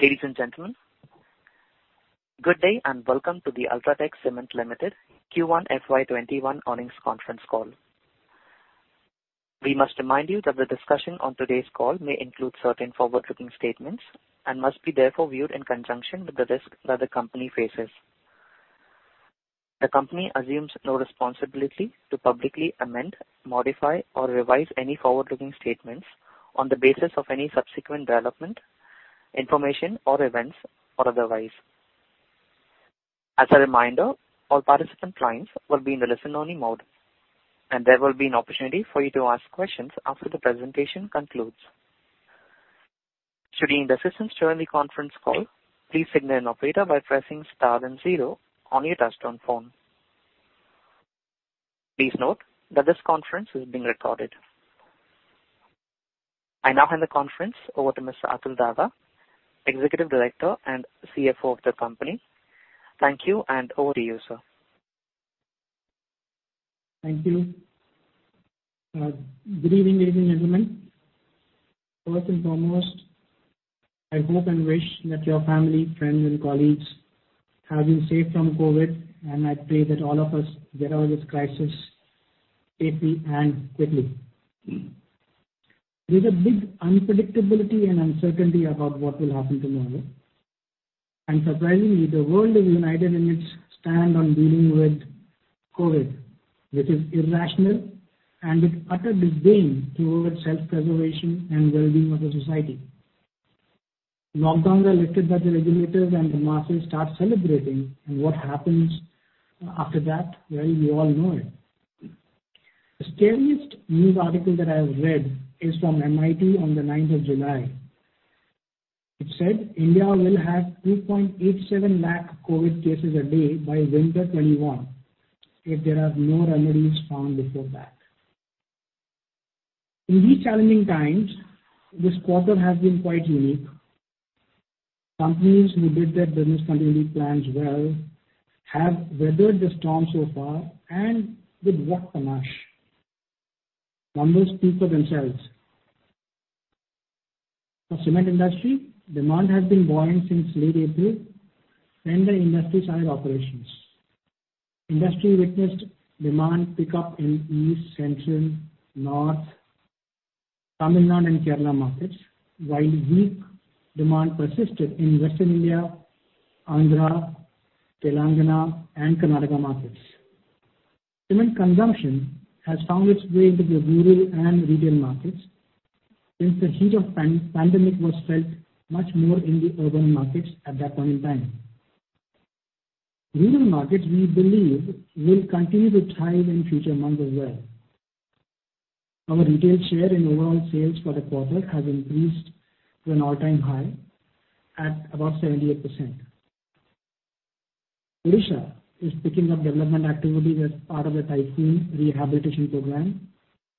Ladies and gentlemen, good day and welcome to the UltraTech Cement Limited Q1 FY 202`1 earnings conference call. We must remind you that the discussion on today's call may include certain forward-looking statements and must be therefore viewed in conjunction with the risk that the company faces. The company assumes no responsibility to publicly amend, modify, or revise any forward-looking statements on the basis of any subsequent development, information, or events, or otherwise. As a reminder, all participant lines will be in the listen-only mode, and there will be an opportunity for you to ask questions after the presentation concludes. Should you need assistance during the conference call, please signal an operator by pressing star then zero on your touchtone phone. Please note that this conference is being recorded. I now hand the conference over to Mr. Atul Daga, Executive Director and CFO of the company. Thank you and over to you, sir. Thank you. Good evening, ladies and gentlemen. First and foremost, I hope and wish that your family, friends, and colleagues have been safe from COVID. I pray that all of us get over this crisis safely and quickly. There's a big unpredictability and uncertainty about what will happen tomorrow. Surprisingly, the world is united in its stand on dealing with COVID, which is irrational and with utter disdain toward self-preservation and well-being of the society. Lockdowns are lifted by the regulators and the masses start celebrating. What happens after that? Well, we all know it. The scariest news article that I have read is from MIT on the 9th of July. It said India will have 3.87 lakh COVID cases a day by winter 2021 if there are no remedies found before that. In these challenging times, this quarter has been quite unique. Companies who did their business continuity plans well have weathered the storm so far and with what panache. Numbers speak for themselves. For cement industry, demand has been buoyant since late April when the industry started operations. Industry witnessed demand pickup in east, central, north, Tamil Nadu and Kerala markets, while weak demand persisted in Western India, Andhra, Telangana, and Karnataka markets. Cement consumption has found its way into the rural and regional markets since the heat of pandemic was felt much more in the urban markets at that point in time. Rural markets, we believe, will continue to thrive in future months as well. Our retail share in overall sales for the quarter has increased to an all-time high at about 78%. Odisha is picking up development activities as part of the typhoon rehabilitation program.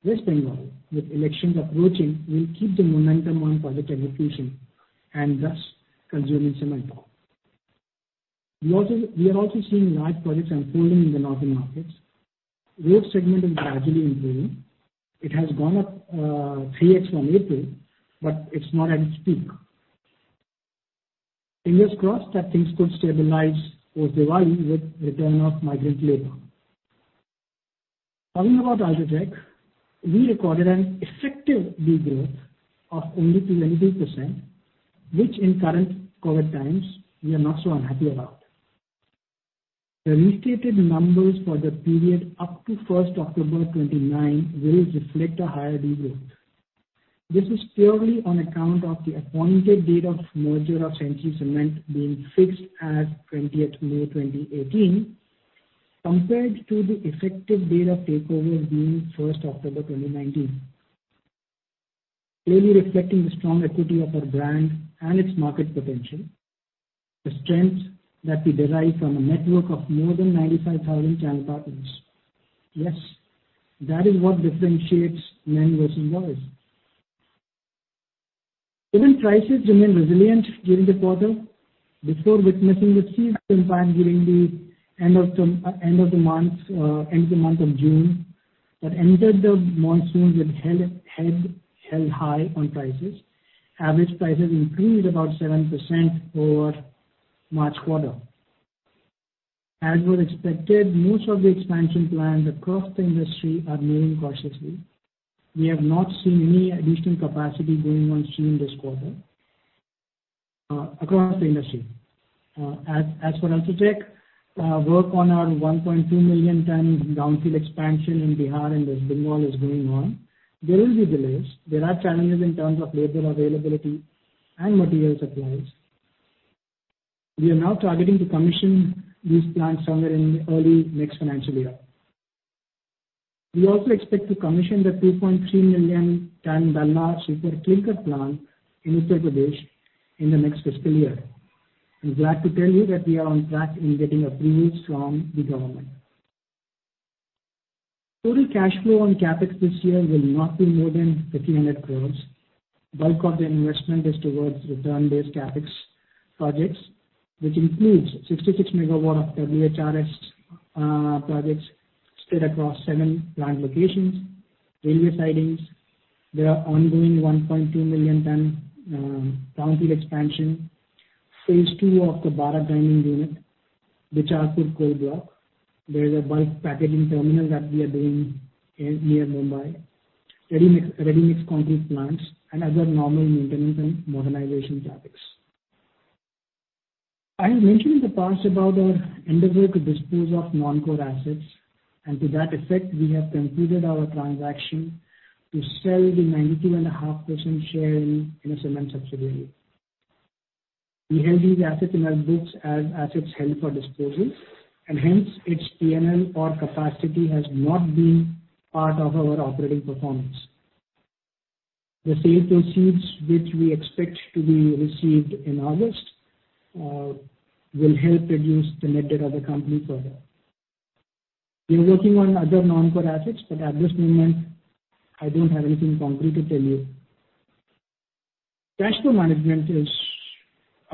West Bengal with elections approaching will keep the momentum on project execution and thus consuming cement. We are also seeing large projects unfolding in the northern markets. Road segment is gradually improving. It has gone up 3x from April, but it's not at its peak. Fingers crossed that things could stabilize post-Ramadan with return of migrant labor. Talking about UltraTech, we recorded an effective de-growth of only 2.3%, which in current COVID times we are not so unhappy about. The restated numbers for the period up to 1st October 2019 will reflect a higher de-growth. This is purely on account of the appointed date of merger of Century Cement being fixed at 20th May 2018 compared to the effective date of takeover being 1st October 2019. Clearly reflecting the strong equity of our brand and its market potential, the strength that we derive from a network of more than 95,000 channel partners. Yes, that is what differentiates men versus boys. Even prices remained resilient during the quarter before witnessing a steep decline during the end of the month of June. Entered the monsoon with held high on prices. Average prices improved about 7% over March quarter. As was expected, most of the expansion plans across the industry are moving cautiously. We have not seen any additional capacity going on stream this quarter across the industry. As for UltraTech, work on our 1.2 million ton brownfield expansion in Bihar and West Bengal is going on. There will be delays. There are challenges in terms of labor availability and material supplies. We are now targeting to commission these plants somewhere in early next financial year. We also expect to commission the 3.3 million ton Dalla super clinker plant in Uttar Pradesh in the next fiscal year. I'm glad to tell you that we are on track in getting approvals from the government. Total cash flow on CapEx this year will not be more than 3,500 crores. Bulk of the investment is towards return-based CapEx projects, which includes 66 MW of WHRS projects spread across seven plant locations. Railway sidings. There are ongoing 1.2 million ton brownfield expansion. Phase two of the Bara grinding unit, the Chirki coal block. There is a bulk packaging terminal that we are doing near Mumbai. Ready-mix concrete plants and other normal maintenance and modernization CapEx. I mentioned in the past about our endeavor to dispose of non-core assets, and to that effect, we have concluded our transaction to sell the 92.5% share in a cement subsidiary. We held these assets in our books as assets held for disposal, and hence its PNL or capacity has not been part of our operating performance. The sale proceeds, which we expect to be received in August, will help reduce the net debt of the company further. We are working on other non-core assets, but at this moment, I don't have anything concrete to tell you. Cash flow management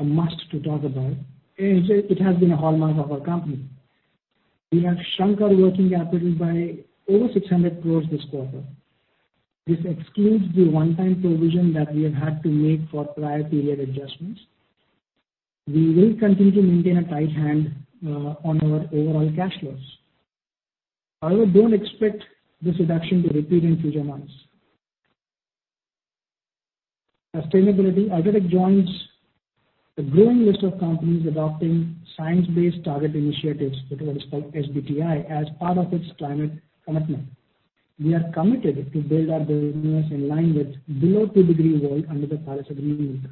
is a must to talk about, as it has been a hallmark of our company. We have shrunk our working capital by over 600 crores this quarter. This excludes the one-time provision that we have had to make for prior period adjustments. We will continue to maintain a tight hand on our overall cash flows. However, don't expect this reduction to repeat in future months. Sustainability. UltraTech joins a growing list of companies adopting Science Based Targets initiative, which are called SBTi, as part of its climate commitment. We are committed to build our business in line with below two degree world under the Paris Agreement.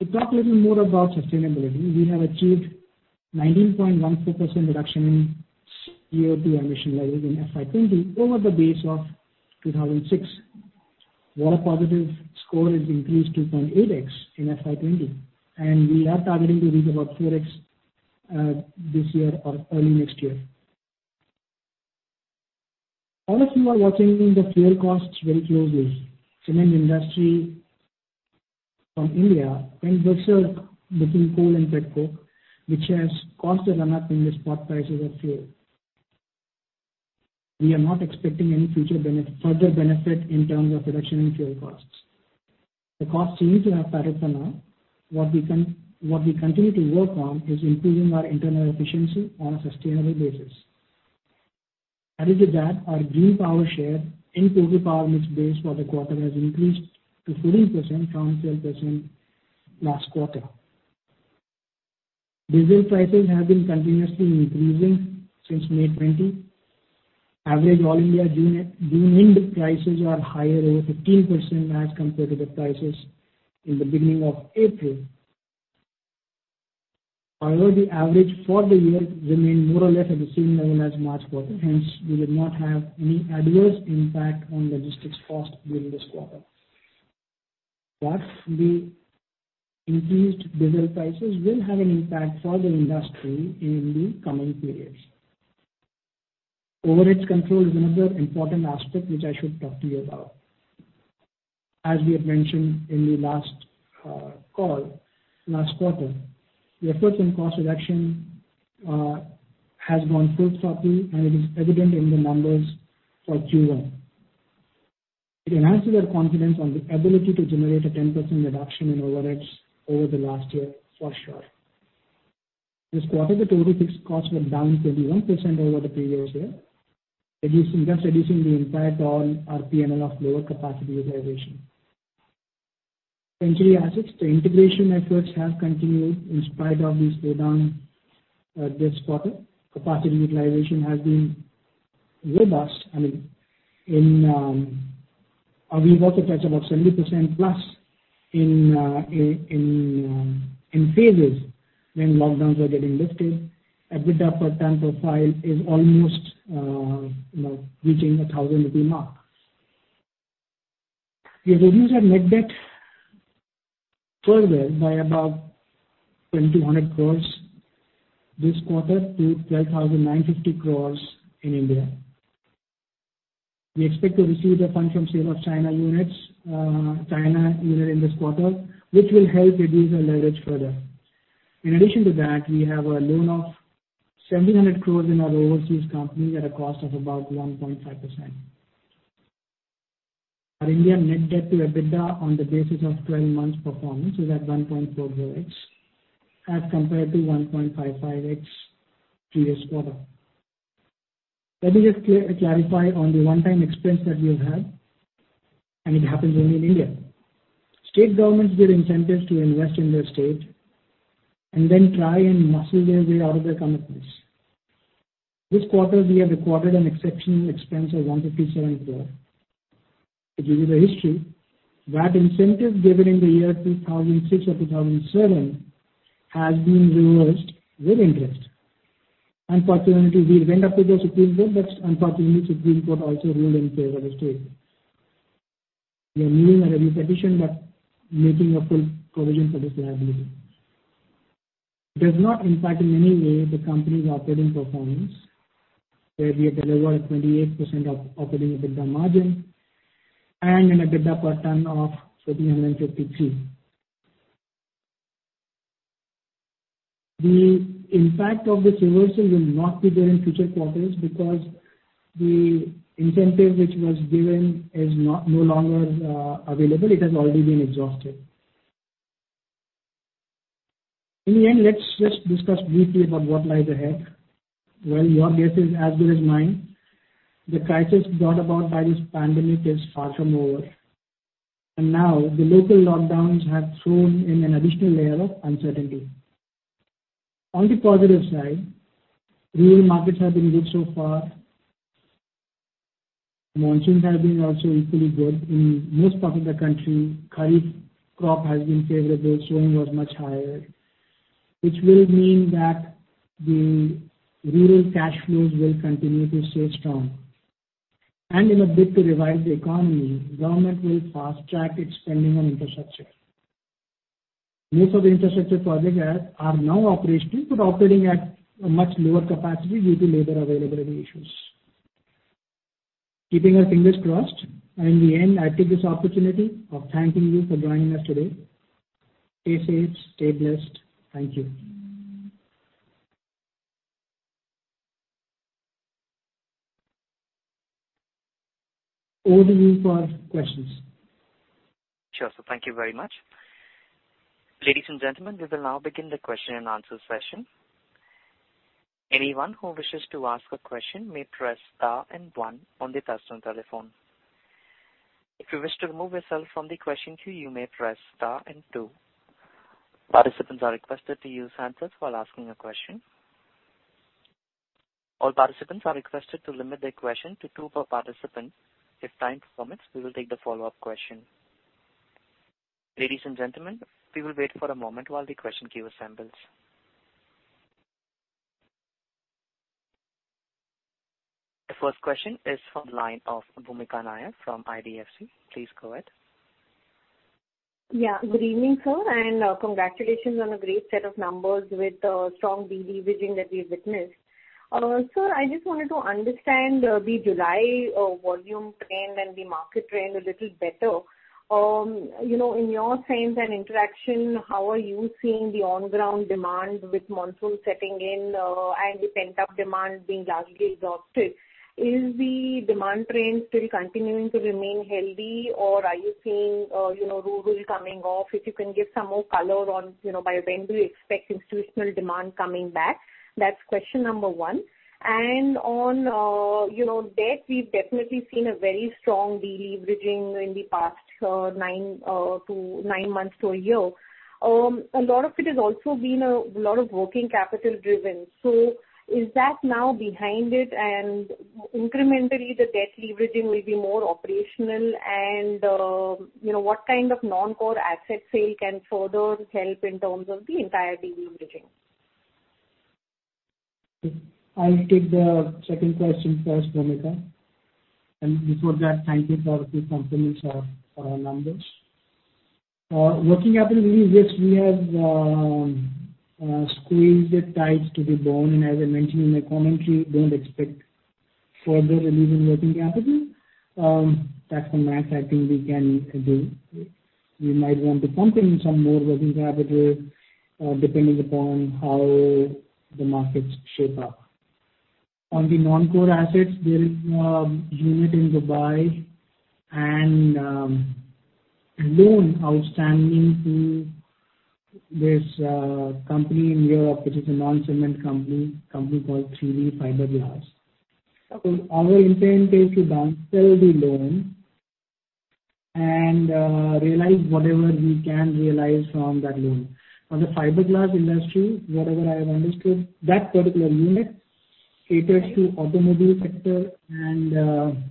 To talk a little more about sustainability, we have achieved 19.14% reduction in CO2 emission levels in FY 2020 over the base of 2006. Water positive score is increased 2.8x in FY 2020, and we are targeting to reach about 4x this year or early next year. All of you are watching the fuel costs very closely. Cement industry from India went berserk between coal and pet coke, which has caused a run-up in the spot prices of fuel. We are not expecting any further benefit in terms of reduction in fuel costs. The costs seem to have plateaued for now. What we continue to work on is improving our internal efficiency on a sustainable basis. Added to that, our green power share in total power mix base for the quarter has increased to 14% from 12% last quarter. Diesel prices have been continuously increasing since May 2020. Average all-India deemed prices are higher over 15% as compared to the prices in the beginning of April. However, the average for the year remained more or less at the same level as March quarter. Hence, we did not have any adverse impact on logistics cost during this quarter. But the increased diesel prices will have an impact for the industry in the coming periods. Average control is another important aspect which I should talk to you about. We have mentioned in the last call, last quarter, the efforts in cost reduction has gone full throttle, and it is evident in the numbers for Q1. It enhances our confidence on the ability to generate a 10% reduction in overage over the last year for sure. This quarter, the total fixed costs were down 21% over the previous year, thus reducing the impact on our PNL of lower capacity utilization. Ancillary assets. The integration efforts have continued in spite of the slowdown this quarter. Capacity utilization has been robust. We've also touched about 70% plus in phases when lockdowns were getting lifted. EBITDA per ton profile is almost reaching 1,000 rupee mark. We reduced our net debt further by about 2,100 crore this quarter to 12,950 crore in India. We expect to receive the fund from sale of China unit in this quarter, which will help reduce our leverage further. In addition to that, we have a loan of 700 crore in our overseas company at a cost of about 1.5%. Our India net debt to EBITDA on the basis of 12 months performance is at 1.40x as compared to 1.55x previous quarter. Let me just clarify on the one-time expense that we have had, and it happened only in India. State governments give incentives to invest in their state and then try and muscle their way out of their commitments. This quarter, we have recorded an exceptional expense of 157 crore. To give you the history, that incentive given in the year 2006 or 2007 has been reversed with interest. We went up to the Supreme Court, unfortunately, Supreme Court also ruled in favor of the state. We are reviewing our every petition but making a full provision for this liability. Does not impact in any way the company's operating performance, where we have delivered a 28% operating EBITDA margin and an EBITDA per ton of 1,353. The impact of this reversal will not be there in future quarters because the incentive which was given is no longer available. It has already been exhausted. In the end, let's just discuss briefly about what lies ahead. Well, your guess is as good as mine. The crisis brought about by this pandemic is far from over, and now the local lockdowns have thrown in an additional layer of uncertainty. On the positive side, rural markets have been good so far. Monsoons have been also equally good. In most parts of the country, kharif crop has been favorable, sowing was much higher, which will mean that the rural cash flows will continue to stay strong. In a bid to revive the economy, government will fast track its spending on infrastructure. Most of the infrastructure projects are now operational but operating at a much lower capacity due to labor availability issues. Keeping our fingers crossed. In the end, I take this opportunity of thanking you for joining us today. Stay safe, stay blessed. Thank you. Over to you for questions. Sure, sir. Thank you very much. Ladies and gentlemen, we will now begin the question and answer session. Anyone who wishes to ask a question may press star and one on their touchtone telephone. If you wish to remove yourself from the question queue, you may press star and two. Participants are requested to use handsets while asking a question. All participants are requested to limit their question to two per participant. If time permits, we will take the follow-up question. Ladies and gentlemen, we will wait for a moment while the question queue assembles. The first question is from the line of Bhumika Nair from IDFC. Please go ahead. Yeah. Good evening, sir, and congratulations on a great set of numbers with a strong deleveraging that we've witnessed. Sir, I just wanted to understand the July volume trend and the market trend a little better. In your sense and interaction, how are you seeing the on-ground demand with monsoon setting in and the pent-up demand being largely exhausted? Is the demand trend still continuing to remain healthy, or are you seeing rural coming off? If you can give some more color on by when do you expect institutional demand coming back? That's question number one. On debt, we've definitely seen a very strong deleveraging in the past nine months to a year. A lot of it has also been a lot of working capital driven. Is that now behind it and incrementally the debt leveraging will be more operational and what kind of non-core asset sale can further help in terms of the entire deleveraging? I'll take the second question first, Bhumika. Before that, thank you for the compliments for our numbers. Working capital, yes, we have squeezed it tight to the bone and as I mentioned in my commentary, don't expect further reduction in working capital. Apart from that, I think we might want to pump in some more working capital, depending upon how the markets shape up. On the non-core assets, there is a unit in Dubai and loan outstanding to this company in Europe, which is a non-cement company. Company called 3B Fiberglass. Our intent is to sell the loan and realize whatever we can realize from that loan. On the fiberglass industry, whatever I have understood, that particular unit caters to automobile sector and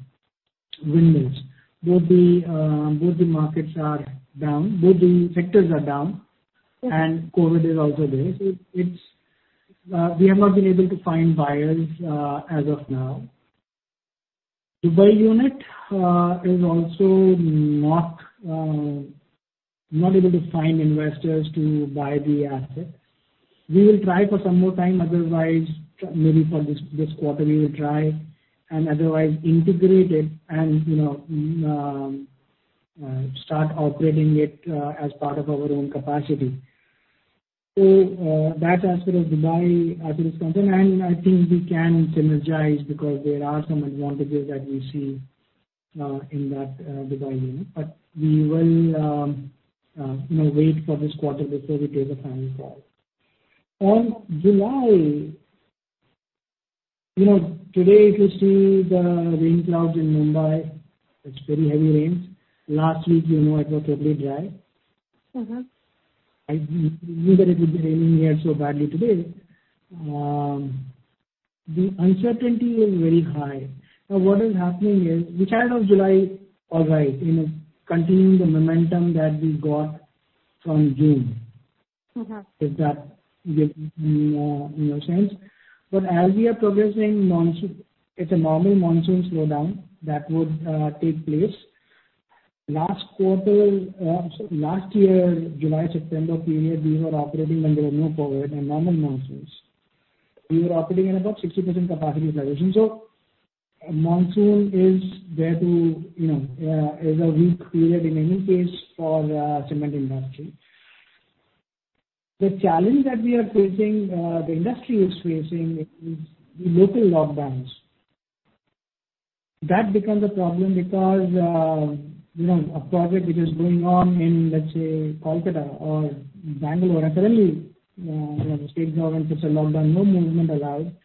windmills. Both the markets are down, both the sectors are down, and COVID is also there. We have not been able to find buyers as of now. Dubai unit is also not able to find investors to buy the asset. We will try for some more time, maybe for this quarter we will try and otherwise integrate it and start operating it as part of our own capacity. That aspect of Dubai as it is concerned and I think we can synergize because there are some advantages that we see in that Dubai unit. We will wait for this quarter before we take a final call. On July, today if you see the rain clouds in Mumbai, it's very heavy rains. Last week, it was totally dry. Neither it would be raining here so badly today. The uncertainty is very high. What is happening is, we started off July all right, continuing the momentum that we got from June. If that makes any sense. As we are progressing monsoon, it's a normal monsoon slowdown that would take place. Last quarter, last year, July, September period, we were operating when there was no COVID and normal monsoons. We were operating at about 60% capacity utilization. Monsoon is a weak period in any case for cement industry. The challenge that the industry is facing is the local lockdowns. That becomes a problem because a project which is going on in, let's say Kolkata or Bangalore, and suddenly the state government puts a lockdown, no movement allowed.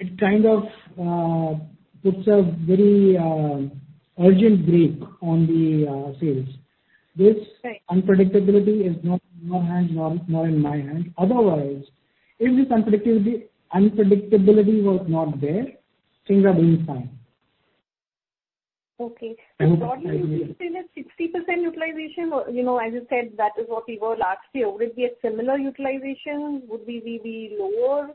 It kind of puts a very urgent brake on the sales. Right. This unpredictability is not in your hands, nor in my hands. Otherwise, if this unpredictability was not there, things are doing fine. Okay. Broadly, you're saying that 60% utilization, as you said, that is what we were last year. Would we be at similar utilization? Would we be lower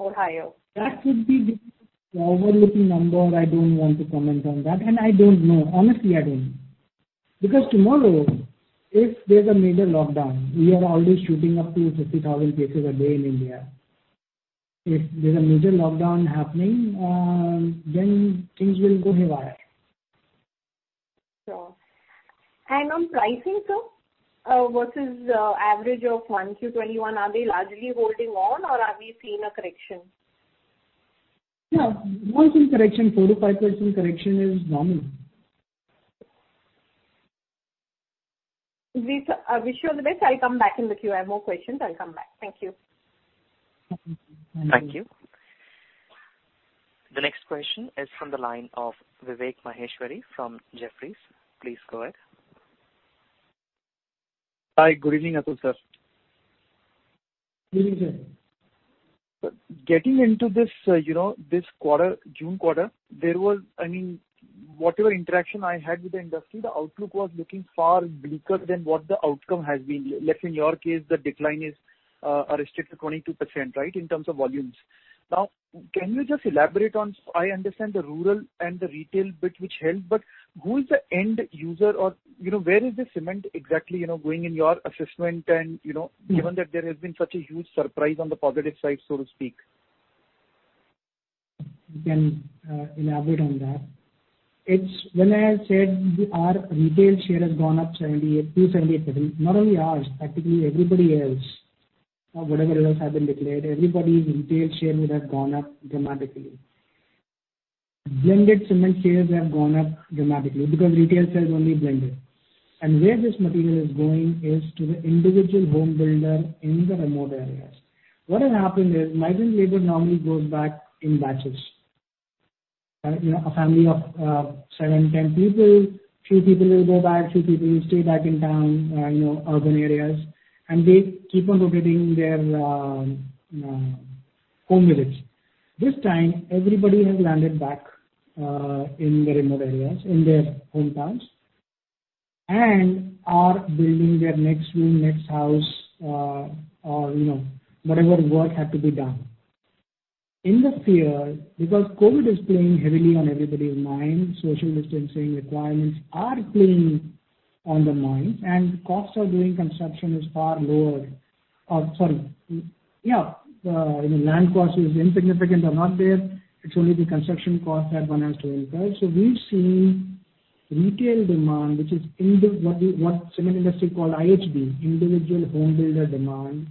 or higher? That would be the overlooking number. I don't want to comment on that. I don't know. Honestly, I don't know. Tomorrow, if there's a major lockdown, we are already shooting up to 50,000 cases a day in India. If there's a major lockdown happening, things will go haywire. Sure. On pricing, sir, versus average of 1Q 2021, are they largely holding on or are we seeing a correction? Yeah. One thing, correction 4%-5% correction is normal. Wish you all the best. I'll come back in the queue. I have more questions. I'll come back. Thank you. Thank you. Thank you. The next question is from the line of Vivek Maheshwari from Jefferies. Please go ahead. Hi. Good evening, Atul sir. Good evening. Getting into this June quarter, whatever interaction I had with the industry, the outlook was looking far bleaker than what the outcome has been. Like in your case, the decline is a restricted 22%, right, in terms of volumes. Now, can you just elaborate on, I understand the rural and the retail bit which helped, but who is the end user or where is the cement exactly going in your assessment and, given that there has been such a huge surprise on the positive side, so to speak. I can elaborate on that. When I said our retail share has gone up to 78%, not only ours, practically everybody else or whatever else have been declared, everybody's retail share would have gone up dramatically. Blended cement shares have gone up dramatically because retail sells only blended. And where this material is going is to the individual home builder in the remote areas. What has happened is migrant labor normally goes back in batches. A family of seven, 10 people, three people will go back, three people will stay back in town, urban areas, and they keep on rotating their home village. This time, everybody has landed back in the remote areas, in their hometowns and are building their next room, next house or whatever work had to be done. In the fear, because COVID is playing heavily on everybody's mind, social distancing requirements are playing on the mind, and cost of doing construction is far lower. I mean, land cost is insignificant or not there. It's only the construction cost that one has to incur. We've seen retail demand, which is what cement industry call IHB, individual home builder demand,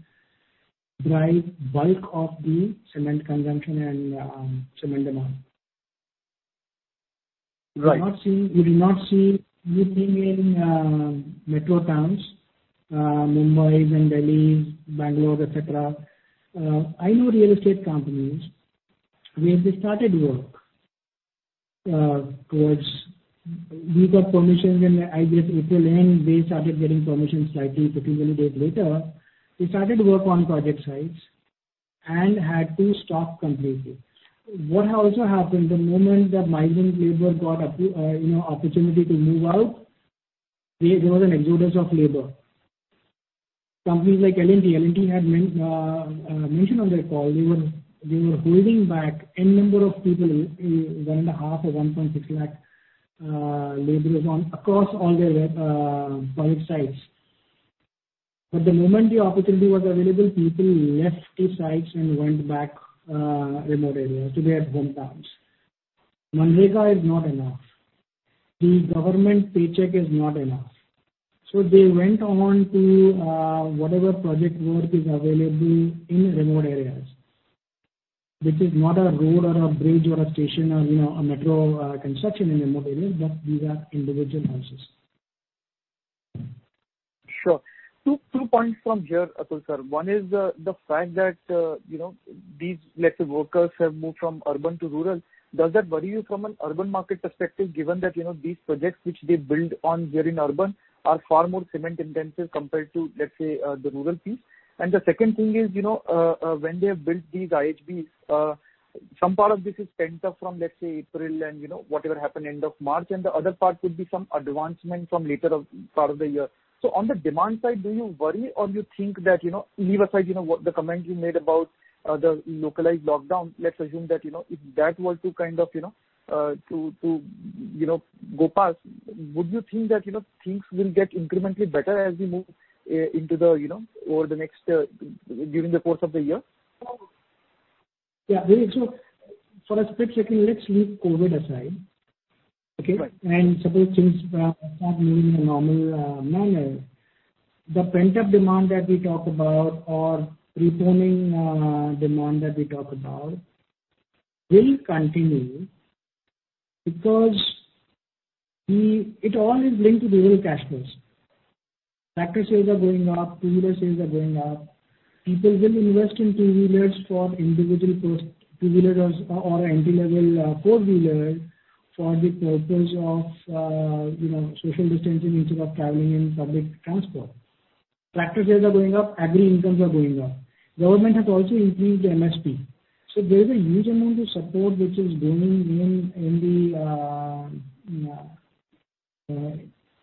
drive bulk of the cement consumption and cement demand. You will not see anything in metro towns Mumbai, even Delhi, Bangalore, et cetera. I know real estate companies where they started work towards, we got permissions in, I guess, April end. They started getting permissions slightly 15 days later. They started work on project sites and had to stop completely. What has also happened, the moment that migrant labor got opportunity to move out, there was an exodus of labor. Companies like L&T, L&T had mentioned on their call, they were holding back N number of people, one and a half or 1.6 lakh labor across all their project sites. The moment the opportunity was available, people left the sites and went back remote areas, to their hometowns. MNREGA is not enough. The government paycheck is not enough. They went on to whatever project work is available in remote areas, which is not a road or a bridge or a station or a metro construction in remote areas, but these are individual houses. Sure. Two points from here, Atul sir. One is the fact that these workers have moved from urban to rural. Does that worry you from an urban market perspective, given that these projects which they build on here in urban are far more cement intensive compared to, let's say, the rural piece? The second thing is, when they have built these IHBs, some part of this is pent up from, let's say, April and whatever happened end of March, and the other part could be some advancement from later part of the year. On the demand side, do you worry or you think that? Leave aside the comment you made about the localized lockdown. Let's assume that if that were to kind of go past, would you think that things will get incrementally better as we move over during the course of the year? Yeah. For a split second, let's leave COVID aside. Okay? Right. Suppose things start moving in a normal manner, the pent-up demand that we talk about or postponing demand that we talk about will continue because it all is linked to the rural cash flows. Tractor sales are going up, two-wheeler sales are going up. People will invest in two-wheelers for individual post two-wheelers or entry-level four-wheelers for the purpose of social distancing in terms of traveling in public transport. Tractor sales are going up, agri incomes are going up. Government has also increased the MSP. There is a huge amount of support which is going in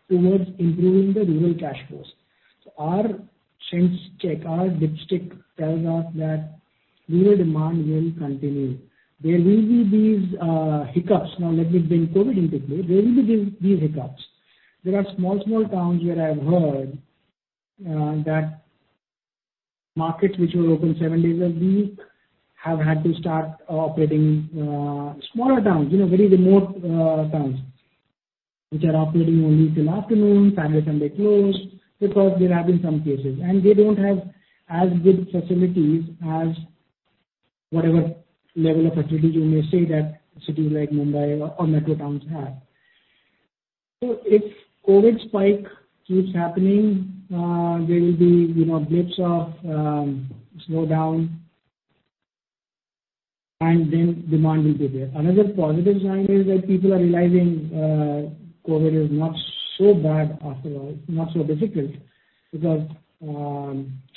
towards improving the rural cash flows. Our sense check, our dipstick tells us that rural demand will continue. There will be these hiccups. Now that we've been COVID into play, there will be these hiccups. There are small towns where I've heard that markets which were open seven days a week have had to start operating. Smaller towns, very remote towns, which are operating only till afternoon, Saturday, Sunday closed, because there have been some cases. They don't have as good facilities as whatever level of activity you may say that cities like Mumbai or metro towns have. If COVID spike keeps happening, there will be blips of slowdown, and then demand will be there. Another positive sign is that people are realizing COVID is not so bad after all, not so difficult, because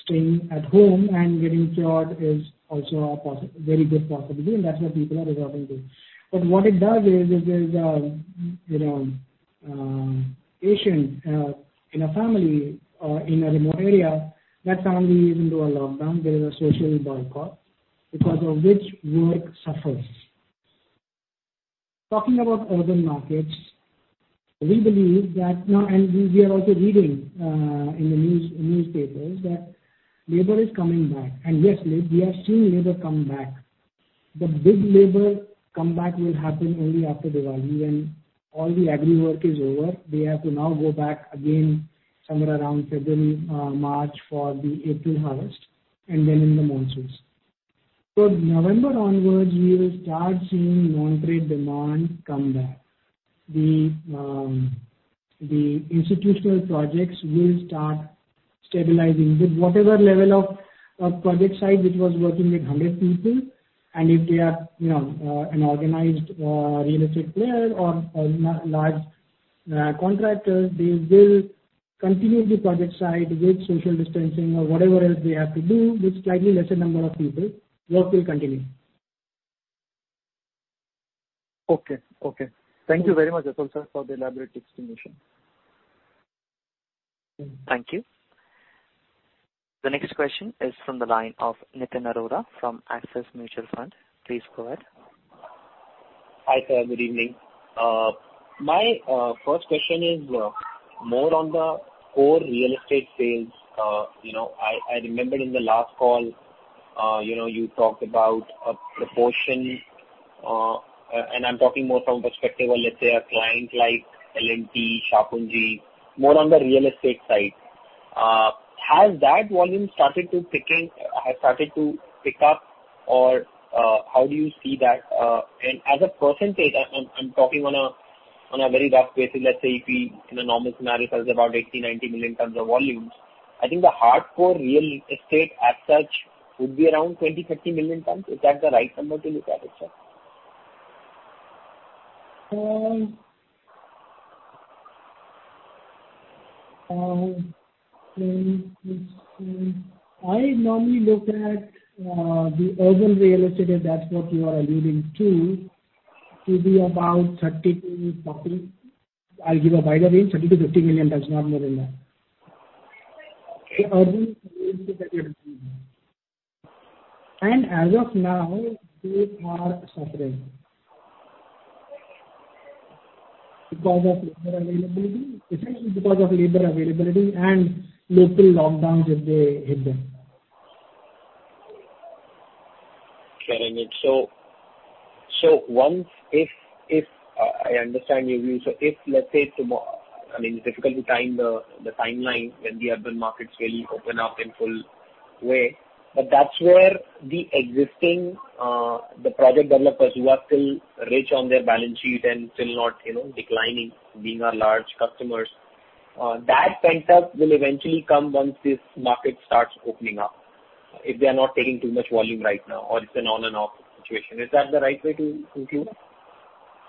staying at home and getting cured is also a very good possibility, and that's what people are resorting to. What it does is, if there's a patient in a family or in a remote area, that family is into a lockdown. There is a social boycott because of which work suffers. Talking about urban markets, we believe that now, we are also reading in the newspapers that labor is coming back. Yes, we are seeing labor come back. The big labor comeback will happen only after Diwali, when all the agri work is over. They have to now go back again somewhere around February, March for the April harvest, and then in the monsoons. November onwards, we will start seeing non-trade demand come back. The institutional projects will start stabilizing with whatever level of project site which was working with 100 people, and if they are an organized real estate player or a large contractor, they will continue the project site with social distancing or whatever else they have to do with slightly lesser number of people. Work will continue. Okay. Thank you very much, Atul sir, for the elaborate explanation. Thank you. The next question is from the line of Nitin Arora from Axis Mutual Fund. Please go ahead. Hi, sir. Good evening. My first question is more on the core real estate sales. I remember in the last call, you talked about a proportion, and I'm talking more from perspective of, let's say, a client like L&T, Shapoorji, more on the real estate side. Has that volume started to pick up, or how do you see that? As a percentage, I'm talking on a very rough basis, let's say if we in a normal scenario sells about 80, 90 million tons of volumes, I think the hardcore real estate as such would be around 20, 30 million tons. Is that the right number to look at, Atul? I normally look at the urban real estate, if that's what you are alluding to be about 30-40. I'll give a wider range, 30-50 million tons, not more than that. The urban real estate. As of now, they are suffering. Because of labor availability? Essentially because of labor availability and local lockdowns if they hit them. Getting it. I understand your view. If, let's say tomorrow, it's difficult to time the timeline when the urban markets really open up in full way, but that's where the existing project developers who are still rich on their balance sheet and still not declining, being our large customers, that pent-up will eventually come once this market starts opening up. If they are not taking too much volume right now or it's an on and off situation. Is that the right way to conclude?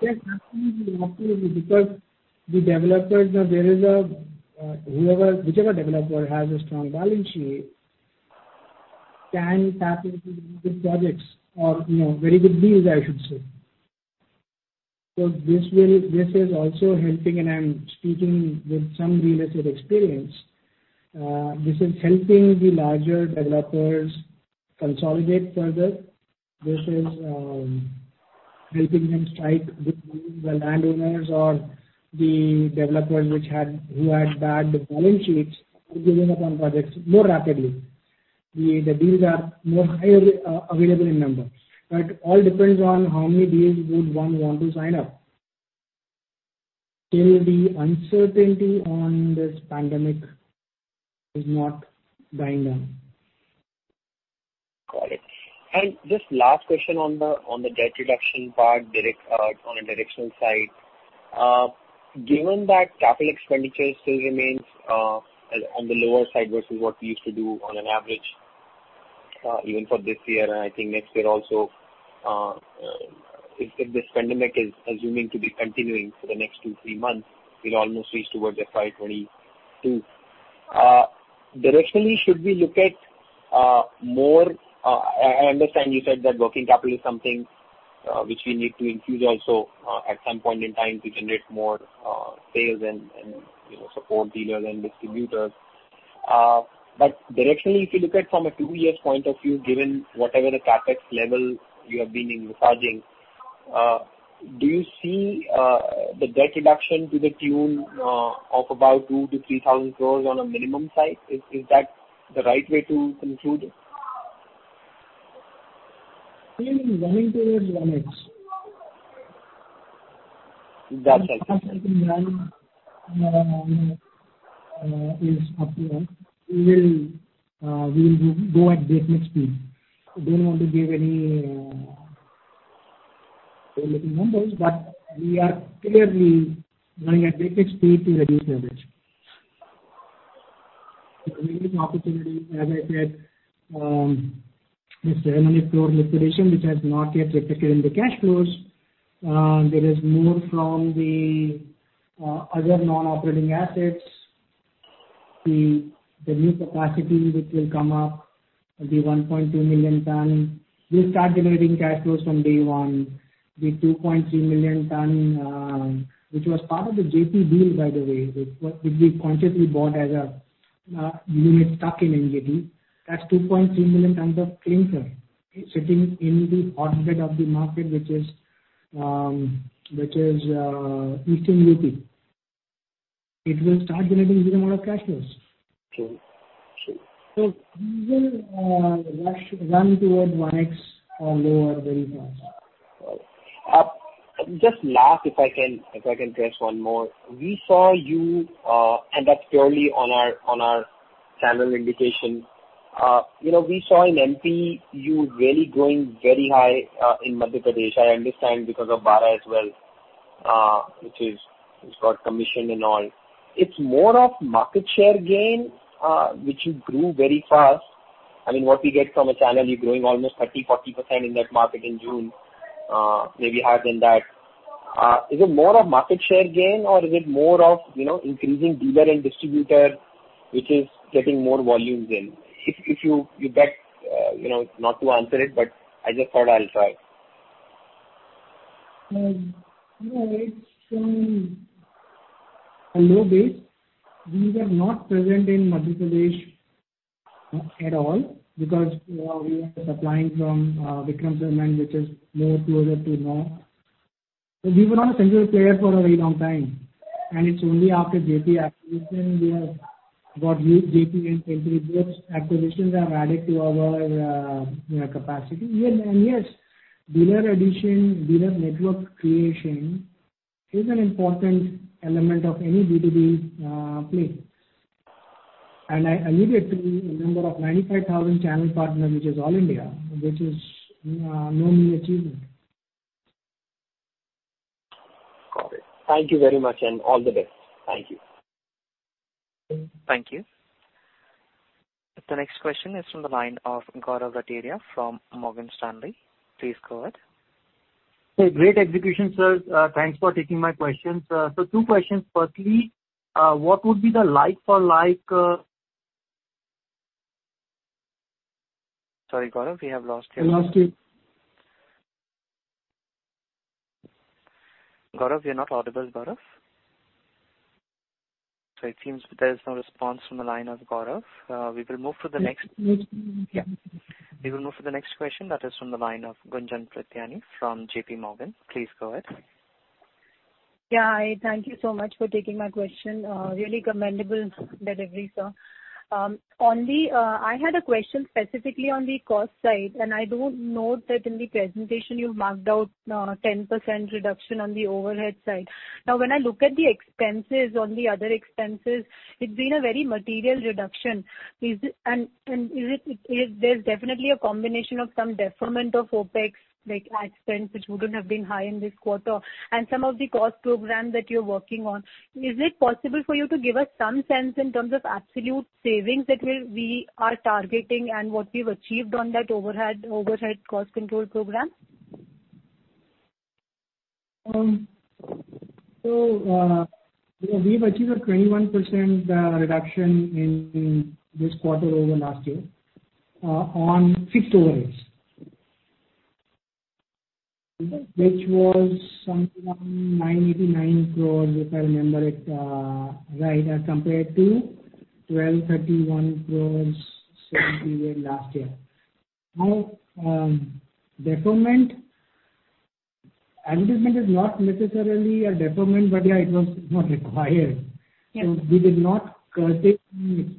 Yes, absolutely. The developers now, whichever developer has a strong balance sheet can tap into good projects or very good deals, I should say. This is also helping, and I'm speaking with some dealers with experience, this is helping the larger developers consolidate further. Helping them strike good deals. The landowners or the developers who had bad balance sheets are giving up on projects more rapidly. The deals are more highly available in number. All depends on how many deals would one want to sign up, till the uncertainty on this pandemic is not dying down. Got it. Just last question on the debt reduction part on a directional side. Given that capital expenditure still remains on the lower side versus what we used to do on an average, even for this year and I think next year also, if this pandemic is assuming to be continuing for the next two, three months, we'll almost reach towards FY 2022. Directionally, should we look at more I understand you said that working capital is something which we need to infuse also, at some point in time to generate more sales and support dealers and distributors. Directionally, if you look at from a two years point of view, given whatever the CapEx level you have been investing, do you see the debt reduction to the tune of about 2,000 crore-3,000 crore on a minimum side? Is that the right way to conclude? We're running towards 1x. That's right. is up to us. We will go at breakneck speed. We don't want to give any forward-looking numbers, but we are clearly running at breakneck speed to reduce leverage. The remaining opportunity, as I said, is INR 700 crore liquidation, which has not yet reflected in the cash flows. There is more from the other non-operating assets. The new capacity which will come up will be 1.2 million tonne. We'll start generating cash flows from day one. The 2.3 million tonne, which was part of the Jaypee deal, by the way, which we consciously bought as a unit stuck in NGT, that's 2.3 million tonnes of clean coal, sitting in the hot bed of the market, which is eastern U.P. It will start generating a good amount of cash flows. Sure. We will run towards 1x although very fast. Got it. Just last, if I can address one more. We saw you, and that's purely on our channel indication. We saw in MP, you really growing very high in Madhya Pradesh, I understand because of Bara as well, which has got commission and all. It's more of market share gain which you grew very fast. I mean, what we get from a channel, you're growing almost 30%, 40% in that market in June, maybe higher than that. Is it more of market share gain or is it more of increasing dealer and distributor, which is getting more volumes in? If you bet, not to answer it, but I just thought I'll try. It's from a low base. We were not present in Madhya Pradesh at all because we were supplying from Vikram Cement, which is more closer to Rae Bareli. We were not a central player for a very long time. It's only after Jaypee acquisition, we have got new Jaypee and Satna. Those acquisitions have added to our capacity. Yes, dealer addition, dealer network creation is an important element of any B2B play. I alluded to the number of 95,000 channel partners, which is all-India, which is no mean achievement. Got it. Thank you very much and all the best. Thank you. Thank you. Thank you. The next question is from the line of Gaurav Rateria from Morgan Stanley. Please go ahead. Great execution, sir. Thanks for taking my questions. Two questions. Firstly, what would be the like-for-like- Sorry, Gaurav, we have lost you. Gaurav, you're not audible, Gaurav. It seems there is no response from the line of Gaurav. We will move to the next question that is from the line of Gunjan Prithyani from JPMorgan. Please go ahead. Yeah. Thank you so much for taking my question. Really commendable delivery, sir. I had a question specifically on the cost side, and I do note that in the presentation you've marked out 10% reduction on the overhead side. Now, when I look at the expenses on the other expenses, it's been a very material reduction. There's definitely a combination of some deferment of OpEx, like ad spend, which wouldn't have been high in this quarter, and some of the cost program that you're working on. Is it possible for you to give us some sense in terms of absolute savings that we are targeting and what we've achieved on that overhead cost control program? We've achieved a 21% reduction in this quarter over last year on fixed overheads. Which was something like 989 crores, if I remember it right, as compared to 1,231 crores last year. Deferment. Investment is not necessarily a deferment, yeah, it was not required. We did not expense.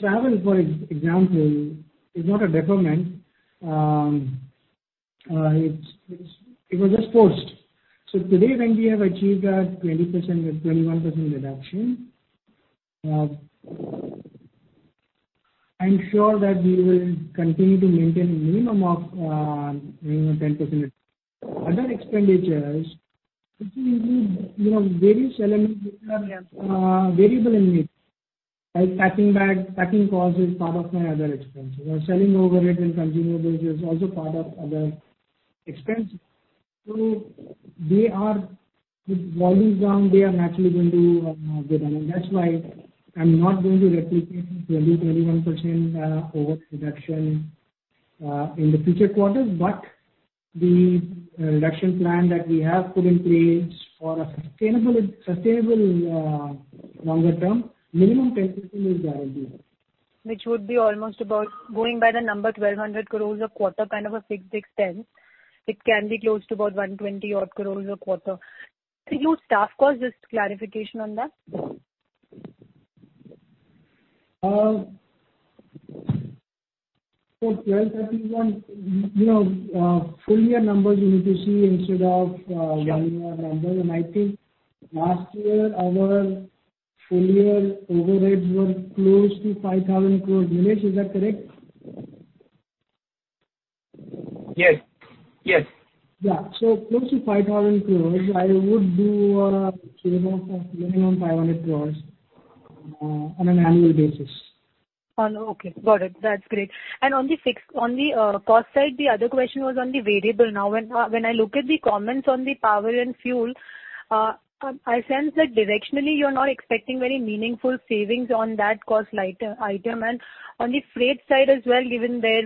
Travel, for example, is not a deferment. It was just paused. Today, when we have achieved that 20% or 21% reduction, I'm sure that we will continue to maintain a minimum of 10%. Other expenditures, various elements are variable in nature, like packing bag, packing cost is part of my other expenses. Our selling overhead and continuing overhead is also part of other expenses. With volumes down, they are naturally going to go down. That's why I'm not going to replicate 20%-21% over reduction in the future quarters. The reduction plan that we have put in place for a sustainable longer term, minimum 10% is guaranteed. Which would be almost about, going by the number 1,200 crores a quarter, kind of a big, big spend. It can be close to about 120 odd crores a quarter. Your staff cost, just clarification on that. For 1231, full year numbers you need to see instead of one year numbers. I think last year our full year overheads were close to 5,000 crores. Nilesh, is that correct? Yes. Yeah. Close to 5,000 crores. I would do a save of minimum 500 crores on an annual basis. Okay. Got it. That's great. On the cost side, the other question was on the variable. Now, when I look at the comments on the power and fuel, I sense that directionally you're not expecting very meaningful savings on that cost item. On the freight side as well, given where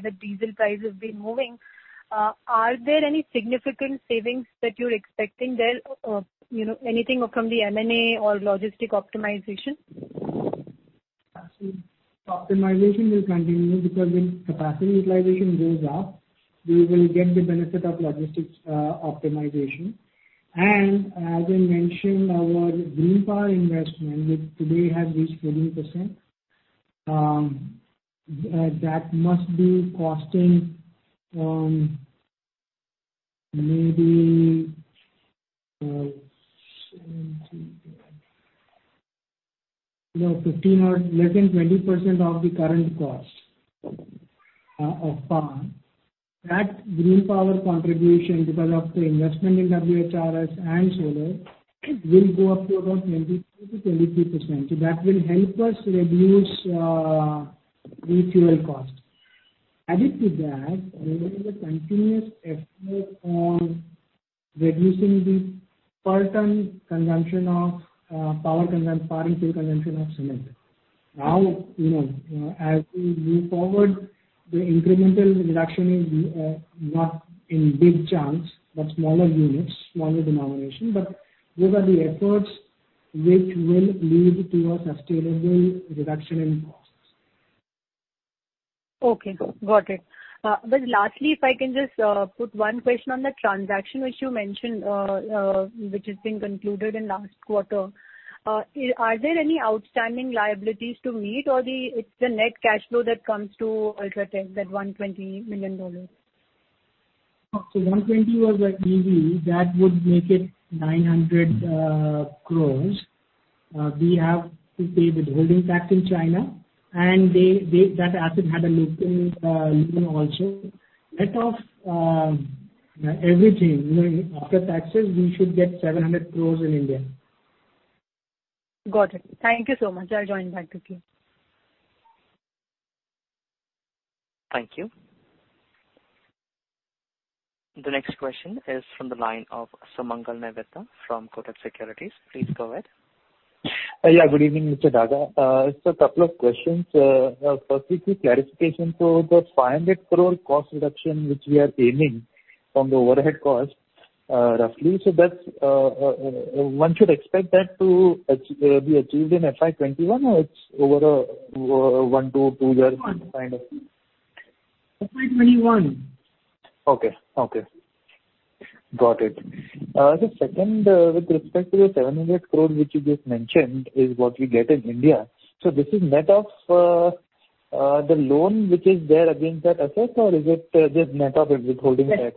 the diesel price has been moving, are there any significant savings that you're expecting there? Anything from the M&A or logistic optimization? Optimization will continue because when capacity utilization goes up, we will get the benefit of logistics optimization. As I mentioned, our green power investment, which today has reached 14%, that must be costing maybe less than 20% of the current cost of power. That green power contribution, because of the investment in WHRS and solar, will go up to about 22%-23%. That will help us reduce the fuel cost. Added to that, we will continue effort on reducing the per ton consumption of power and fuel consumption of cement. As we move forward, the incremental reduction is not in big chunks, but smaller units, smaller denomination. Those are the efforts which will lead to a sustainable reduction in costs. Okay. Got it. Lastly, if I can just put one question on the transaction which you mentioned, which has been concluded in last quarter. Are there any outstanding liabilities to meet, or it's the net cash flow that comes to UltraTech, that $120 million? 120 was the EV, that would make it 900 crores. We have to pay withholding tax in China, that asset had a loan also. Net of everything, after taxes, we should get 700 crores in India. Got it. Thank you so much. I'll join back with you. Thank you. The next question is from the line of Sumangal Nevatia from Kotak Securities. Please go ahead. Good evening, Mr. Daga. Just a couple of questions. Firstly, clarification. The 500 crore cost reduction which we are aiming from the overhead cost, roughly, one should expect that to be achieved in FY 2021, or it's over a one to two year? Kind of. FY 2021. Okay. Got it. The second, with respect to the 700 crore which you just mentioned is what we get in India. This is net of the loan which is there against that asset or is it just net of it withholding tax?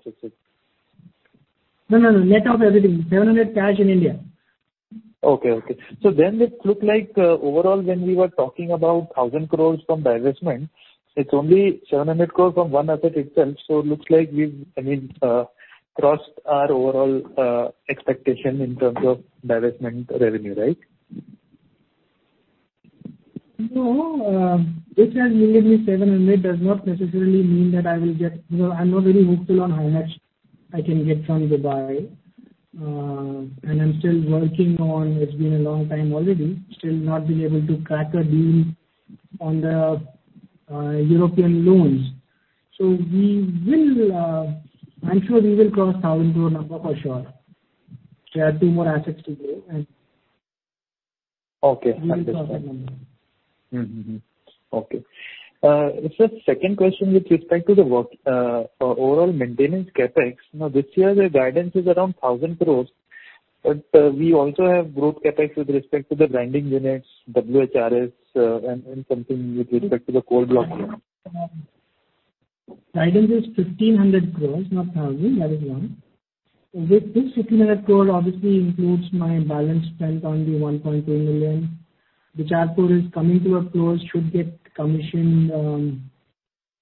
No. Net of everything, 700 cash in India. Okay. It looks like overall, when we were talking about 1,000 crore from divestment, it's only 700 crore from one asset itself. Looks like we've crossed our overall expectation in terms of divestment revenue, right? No. Just as we made 700 does not necessarily mean that I'm not very hopeful on how much I can get from Dubai. I'm still working on, it's been a long time already, still not been able to crack a deal on the European loans. I'm sure we will cross 1,000 crore number for sure. We have two more assets to go. Okay, understood. We will cross that number. Okay. Sir, second question with respect to the work, overall maintenance CapEx. This year, the guidance is around 1,000 crores, but we also have growth CapEx with respect to the grinding units, WHRs, and something with respect to the coal block unit. Guidance is 1,500 crore, not 1,000 crore. That is one. This 1,500 crore obviously includes my balance spent on the 1.2 crore, which I have told is coming to a close, should get commissioned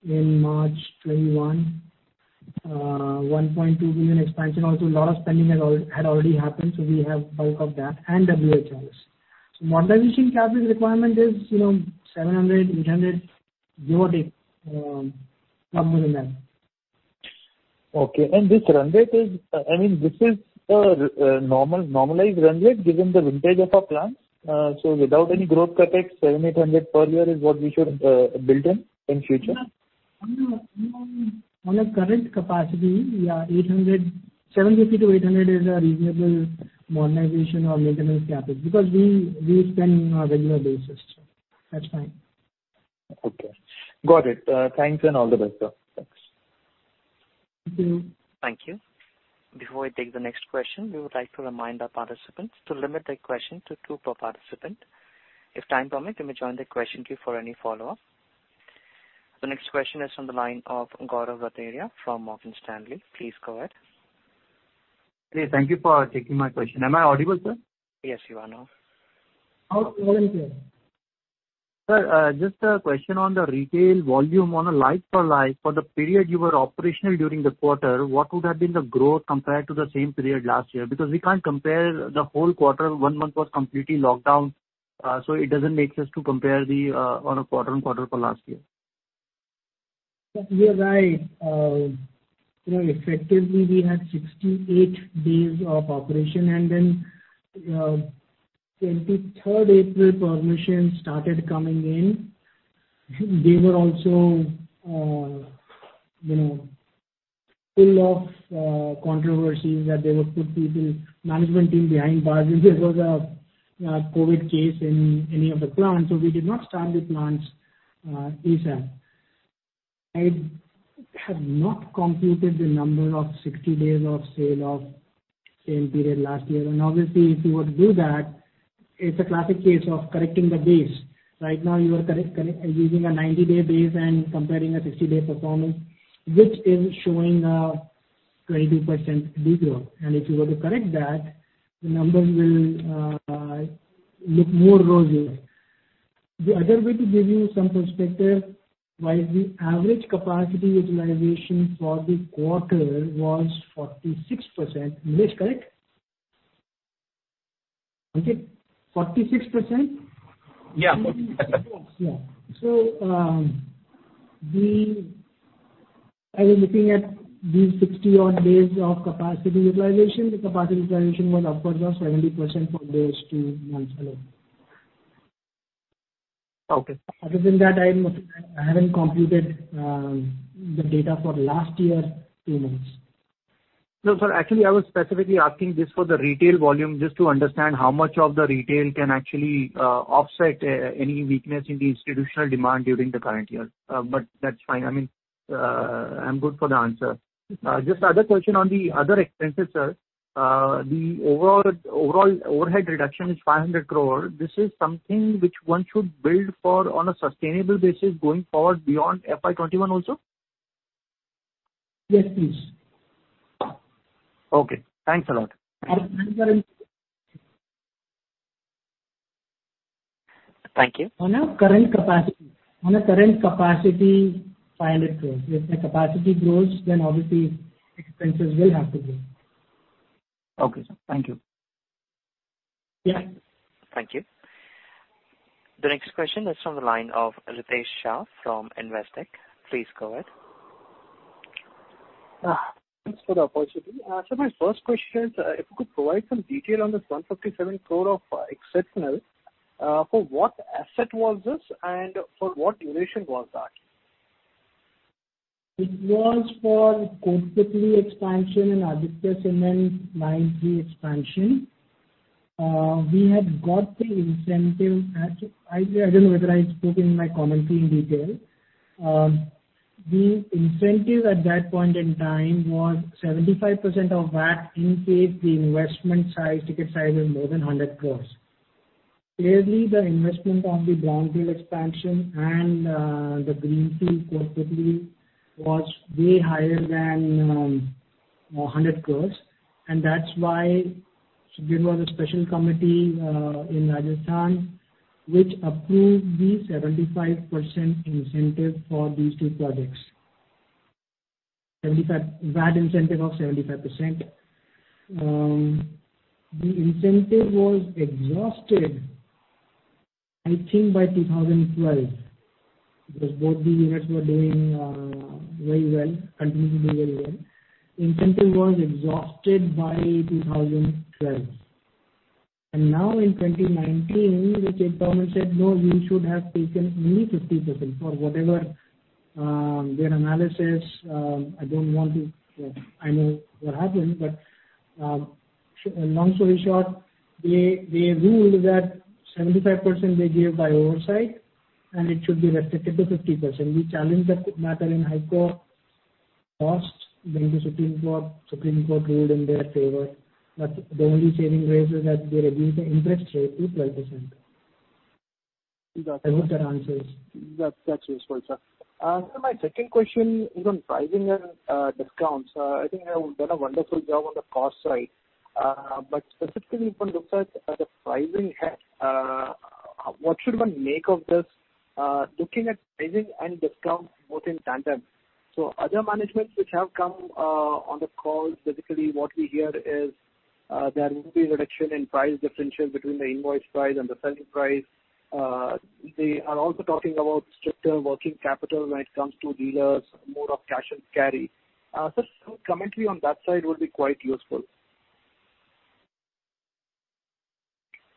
in March 2021. 1.2 crore expansion also, a lot of spending had already happened, so we have bulk of that and WHRS. Modernization capital requirement is 700 crore-800 crore, give or take. Okay. This run rate is a normalized run rate given the vintage of our plant. Without any growth CapEx, 700, 800 per year is what we should build in future? On a current capacity, yeah, 750-800 is a reasonable modernization or maintenance CapEx. We spend on a regular basis. That's fine. Okay. Got it. Thanks. All the best, sir. Thanks. Thank you. Thank you. Before we take the next question, we would like to remind our participants to limit their question to two per participant. If time permit, you may join the question queue for any follow-up. The next question is on the line of Gaurav Rateria from Morgan Stanley. Please go ahead. Hey, thank you for taking my question. Am I audible, sir? Yes, you are now. Loud and clear. Sir, just a question on the retail volume on a like for like. For the period you were operational during the quarter, what would have been the growth compared to the same period last year? We can't compare the whole quarter, one month was completely locked down, so it doesn't make sense to compare on a quarter-on-quarter for last year. You're right. Effectively, we had 68 days of operation and then 23rd April, permission started coming in. They were also full of controversies that they would put people, management team behind bars if there was a COVID case in any of the plants. We did not start the plants ASAP. I have not computed the number of 60 days of sale of same period last year. Obviously if you were to do that, it's a classic case of correcting the base. Right now you are using a 90-day base and comparing a 60-day performance, which is showing a 20% de-growth. If you were to correct that, the numbers will look rosier. The other way to give you some perspective, while the average capacity utilization for the quarter was 46%. Is this correct? Okay. 46%? Yeah. Yeah. I was looking at these 60 odd days of capacity utilization. The capacity utilization was upwards of 70% for those two months alone. Okay. Other than that, I haven't computed the data for last year two months. No, sir. Actually, I was specifically asking this for the retail volume, just to understand how much of the retail can actually offset any weakness in the institutional demand during the current year. That's fine. I'm good for the answer. Just the other question on the other expenses, sir. The overall overhead reduction is 500 crore. This is something which one should build for on a sustainable basis going forward beyond FY 2021 also? Yes, please. Okay. Thanks a lot. Thank you. On a current capacity, INR 500 crores. If the capacity grows, then obviously expenses will have to grow. Okay, sir. Thank you. Yeah. Thank you. The next question is from the line of Ritesh Shah from Investec. Please go ahead. Thanks for the opportunity. Sir, my first question is, if you could provide some detail on this 157 crore of exceptional. For what asset was this and for what duration was that? It was for Kotputli expansion and Aditya Cement 90 expansion. We had got the incentive. Actually, I don't know whether I spoke in my commentary in detail. The incentive at that point in time was 75% of VAT in case the investment size, ticket size was more than 100 crores. Clearly, the investment on the brownfield expansion and the greenfield Kotputli was way higher than 100 crores. That's why there was a special committee in Rajasthan which approved the 75% incentive for these two projects. VAT incentive of 75%. The incentive was exhausted I think by 2012, because both the units were doing very well, continued to do very well. Incentive was exhausted by 2012. Now in 2019, the state government said, "No, you should have taken only 50%" for whatever their analysis, I know what happened. Long story short, they ruled that 75% they gave by oversight, and it should be restricted to 50%. We challenged that matter in High Court. Lost. Went to Supreme Court. Supreme Court ruled in their favor. The only saving grace is that they reduced the interest rate to 12%. I hope that answers. That's useful, sir. My second question is on pricing and discounts. I think you have done a wonderful job on the cost side. Specifically if one looks at the pricing, what should one make of this looking at pricing and discounts both in tandem? Other managements which have come on the call, typically what we hear is there will be a reduction in price differential between the invoice price and the selling price. They are also talking about stricter working capital when it comes to dealers, more of cash and carry. Sir, some commentary on that side would be quite useful.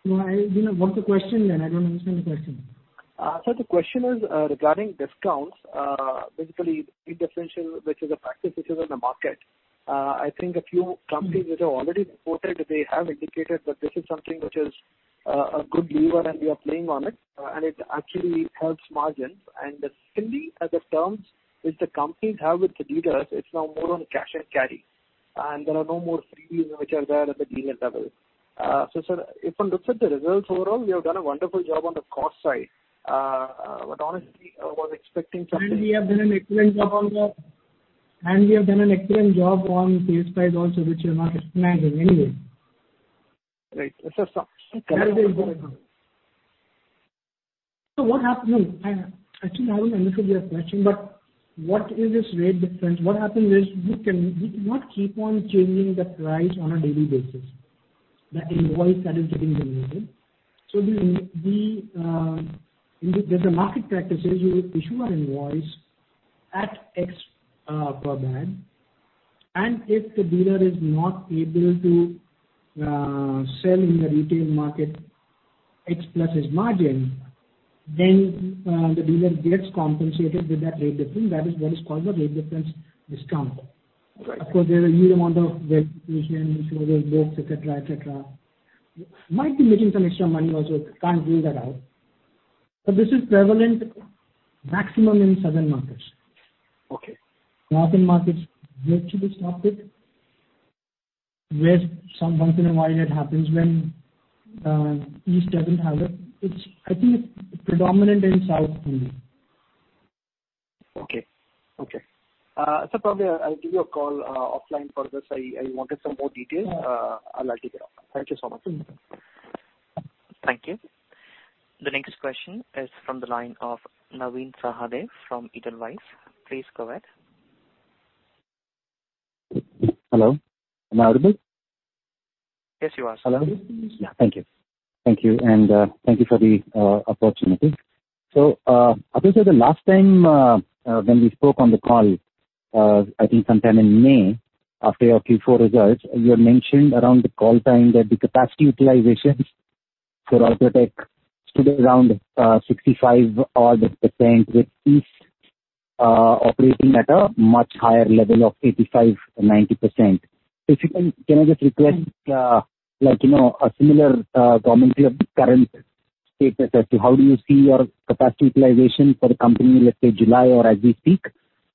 I don't know. What's the question again? I don't understand the question. Sir, the question is regarding discounts. Basically, the differential, which is a practice which is in the market. I think a few companies which have already reported, they have indicated that this is something which is a good lever, and we are playing on it, and it actually helps margins. Secondly, the terms which the companies have with the dealers, it's now more on cash and carry, and there are no more freebies which are there at the dealer level. Sir, if one looks at the results overall, you have done a wonderful job on the cost side. Honestly, I was expecting something. We have done an excellent job on sales price also, which you are not expecting anyway. Right. What happened? Actually, now I understood your question. What is this rate difference? What happened is we cannot keep on changing the price on a daily basis, the invoice that is getting generated. There's a market practice, is you issue an invoice at X per bag, and if the dealer is not able to sell in the retail market X plus his margin, then the dealer gets compensated with that rate difference. That is what is called the rate difference discount. Of course, there's a huge amount of waste, books, et cetera. Might be making some extra money also. Can't rule that out. This is prevalent maximum in southern markets. Okay. Northern markets, virtually stopped it, where sometimes and a while it happens. East doesn't have it. I think it's predominant in South only. Okay. Sir, probably I'll give you a call offline for this. I wanted some more details. I'll take it off. Thank you so much. Thank you. The next question is from the line of Navin Sahadeo from Edelweiss. Please go ahead. Hello. Am I audible? Yes, you are, sir. Thank you. Thank you, and thank you for the opportunity. Atul sir, the last time when we spoke on the call, I think sometime in May after your Q4 results, you had mentioned around the call time that the capacity utilizations for UltraTech stood around 65% odd, with each operating at a much higher level of 85%-90%. Can I just request a similar commentary of the current state as to how do you see your capacity utilization for the company, let's say July or as we speak,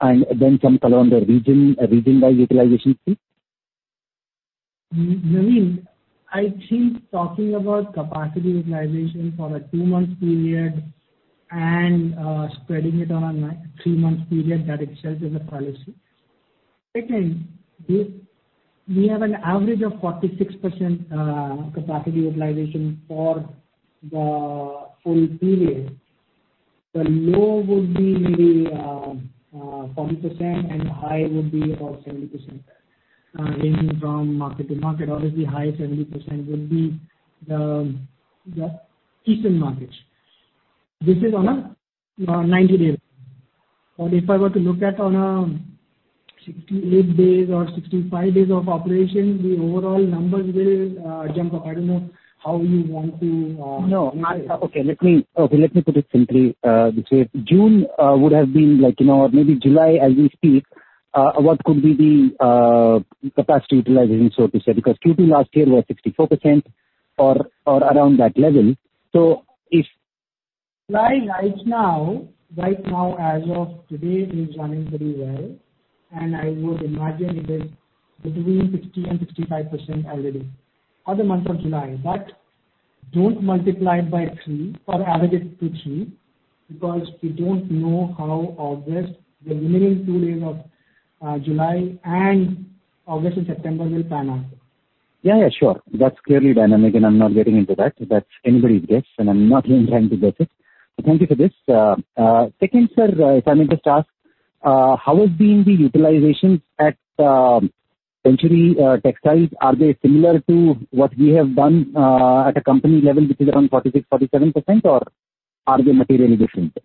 and then some color on the region-by-utilization view? Navin, I think talking about capacity utilization for a two-month period and spreading it on a three-month period, that itself is a fallacy. Secondly, we have an average of 46% capacity utilization for the full period. The low would be maybe 40%, and high would be about 70%, ranging from market to market. Obviously high 70% would be the eastern markets. This is on a 90-day. If I were to look at on a 68 days or 65 days of operation, the overall numbers will jump up. I don't know how you want to. No. Okay. Let me put it simply this way. June would have been or maybe July as we speak, what could be the capacity utilization, so to say? Q2 last year was 64% or around that level. July right now as of today is running very well, and I would imagine it is between 60% and 65% already for the month of July. Don't multiply it by three or add it to three, because we don't know how August, the remaining two days of July, and August and September will pan out. Yeah, sure. That's clearly dynamic, and I'm not getting into that. That's anybody's guess, and I'm not even trying to guess it. Thank you for this. Second, sir, if I may just ask, how has been the utilization at Century Textiles? Are they similar to what we have done at a company level, which is around 46%, 47%, or are they materially different?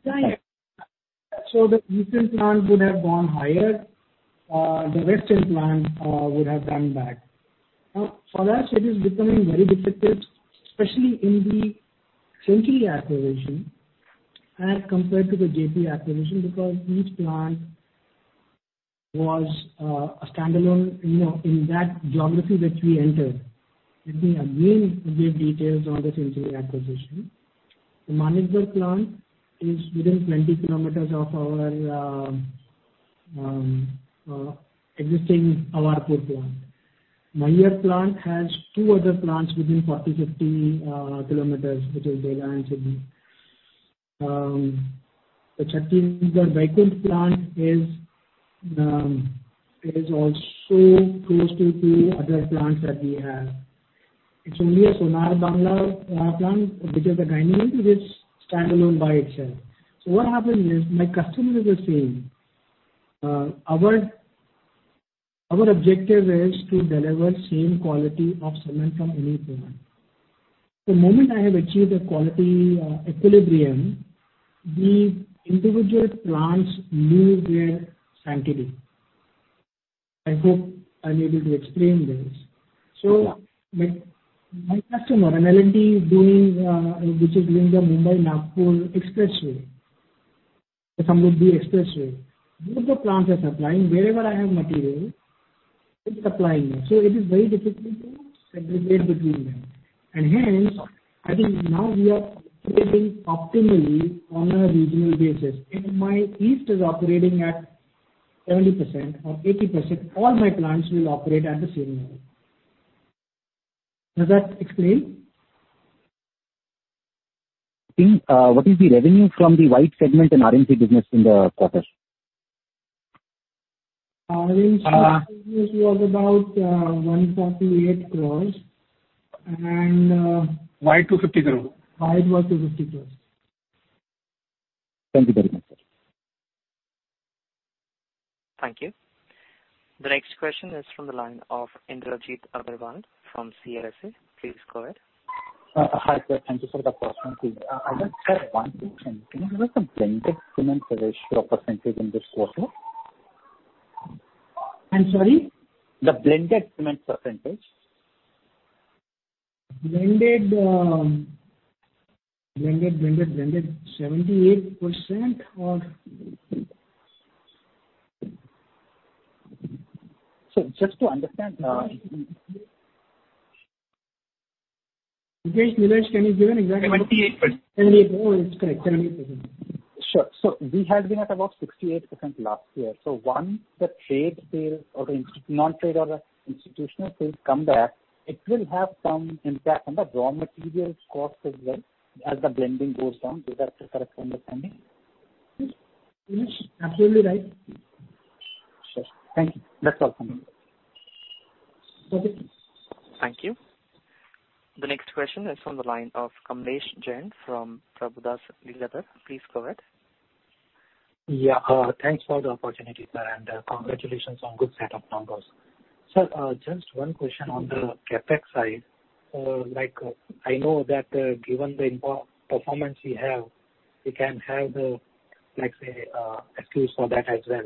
The eastern plant would have gone higher, the western plant would have gone back. For us, it is becoming very difficult, especially in the Century acquisition as compared to the Jaypee acquisition, because each plant was a standalone in that geography which we entered. Let me again give details on the Century acquisition. The Manikgarh plant is within 20 km of our existing Awarpur plant. Maihar plant has two other plants within 40 km, 50 km, which is Dahia and Sidhi. The Chhattisgarh Baikunth plant is also close to two other plants that we have. It's only a Sonar Bangla plant which is a tiny one, which is standalone by itself. What happens is my customer is the same. Our objective is to deliver same quality of cement from any plant. The moment I have achieved a quality equilibrium, the individual plants lose their sanctity. I hope I'm able to explain this. My customer, an L&T, which is doing the Mumbai-Nagpur Expressway, Samruddhi Expressway, both the plants are supplying. Wherever I have material, it's supplying there. It is very difficult to segregate between them. Hence, I think now we are operating optimally on a regional basis. If my east is operating at 70% or 80%, all my plants will operate at the same level. Does that explain? What is the revenue from the white segment and RMC business in the quarter? RMC business was about INR 148 crores. White INR 250 crore. White was INR 250 crores. Thank you very much, sir. Thank you. The next question is from the line of Indrajit Agarwal from CLSA. Please go ahead. Hi, sir. Thank you for the opportunity. I just have one question. Can you give us the blended cement ratio percentage in this quarter? I'm sorry? The blended cement percentage. Blended 78% or- Just to understand. Milaresh, can you give an exact number? Oh, it's correct, 78%. Sure. We had been at about 68% last year. Once the non-trade or institutional sales come back, it will have some impact on the raw material cost as well as the blending goes on. Is that the correct understanding? Yes. Absolutely right. Sure. Thank you. That's all from me. Okay. Thank you. The next question is from the line of Kamlesh Jain from Prabhudas Lilladher. Please go ahead. Yeah. Thanks for the opportunity, sir, and congratulations on good set of numbers. Sir, just one question on the CapEx side. I know that given the performance we have, we can have, let's say, excuse for that as well.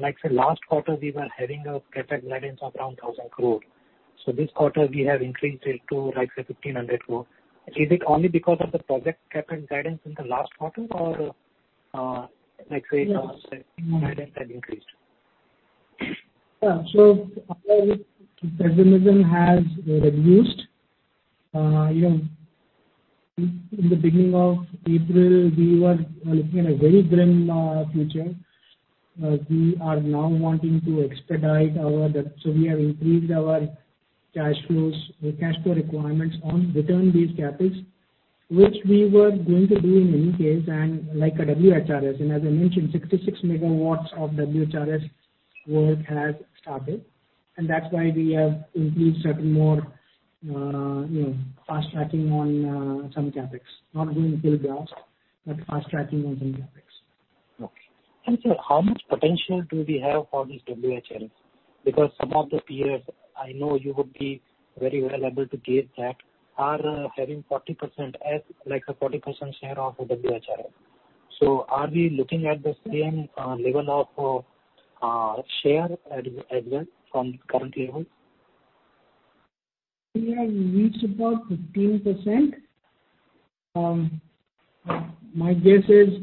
Let's say last quarter, we were having a CapEx guidance of around 1,000 crore. This quarter we have increased it to, let's say, 1,500 crore. Is it only because of the project CapEx guidance in the last quarter or let's say? Guidance has increased? Yeah. Our pessimism has reduced. In the beginning of April, we were looking at a very grim future. We are now wanting to expedite our debt. We have increased our cash flow requirements on return these CapEx, which we were going to do in any case and like a WHRS. As I mentioned, 66 MW of WHRS work has started. That's why we have increased certain more fast-tracking on some CapEx. Not doing builds, fast-tracking on some CapEx. Okay. Sir, how much potential do we have for this WHRS? Some of the peers, I know you would be very well able to gauge that, are having 40% as a 40% share of WHRS. Are we looking at the same level of share as well from current levels? We have reached about 15%. My guess is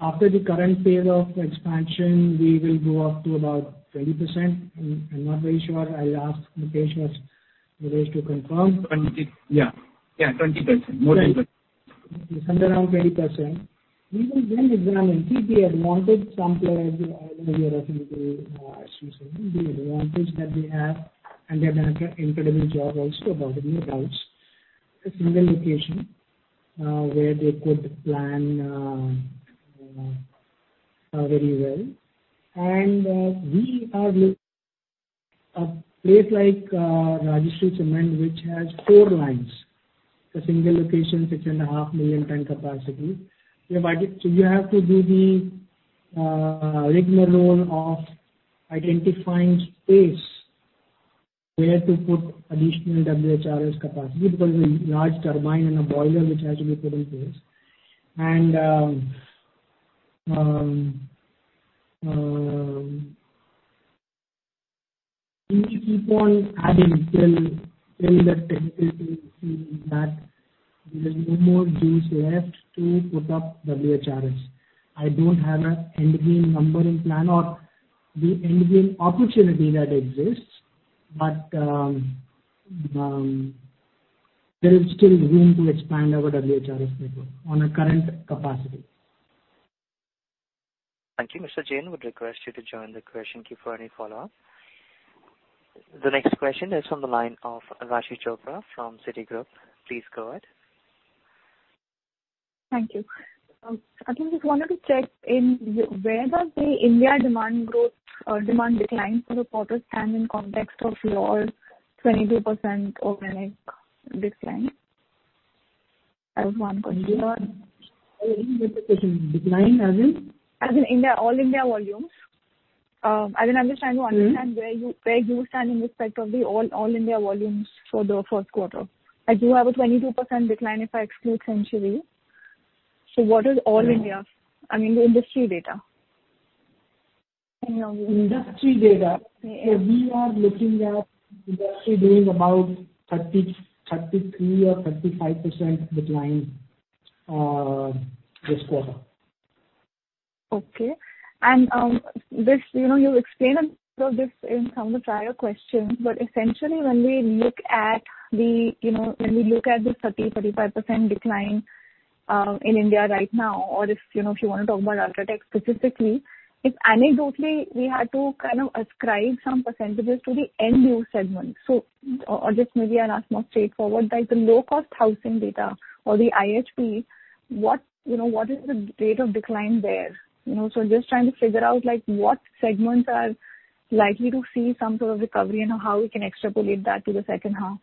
after the current phase of expansion, we will go up to about 20%. I'm not very sure. I'll ask Milaresh to confirm. Yeah. 20%. More than 20%. It's around 20%. We will examine. The advantage some players, I know you are referring to ACC. The advantage that they have, they've done an incredible job also about it, no doubts. A single location where they could plan very well. We are looking a place like Rajashree Cement, which has four lines. A single location, six and a half million ton capacity. You have to do the rigmarole of identifying space where to put additional WHRS capacity because it's a large turbine and a boiler which has to be put in place. We keep on adding till the technical team feels that there's no more room left to put up WHRS. I don't have an end game number in plan or the end game opportunity that exists. There is still room to expand our WHRS network on a current capacity. Thank you. Mr. Jain would request you to join the question queue for any follow-up. The next question is from the line of Raashi Chopra from Citigroup. Please go ahead. Thank you. I just wanted to check where does the India demand decline for the quarter stand in context of your 22% organic decline? I have one question. 22% decline as in? As in all India volumes. I am just trying to understand where you stand in respect of the all India volumes for the first quarter. As you have a 22% decline if I exclude Century. What is all India? I mean, the industry data. Industry data. Yeah. We are looking at industry doing about 33% or 35% decline this quarter. Okay. You've explained a lot of this in some of the prior questions, but essentially, when we look at the 30%-35% decline in India right now, or if you want to talk about UltraTech specifically, if anecdotally, we had to kind of ascribe some percentages to the end-use segment. Or just maybe I'll ask more straightforward, like the low-cost housing data or the IHB, what is the rate of decline there? Just trying to figure out what segments are likely to see some sort of recovery and how we can extrapolate that to the second half.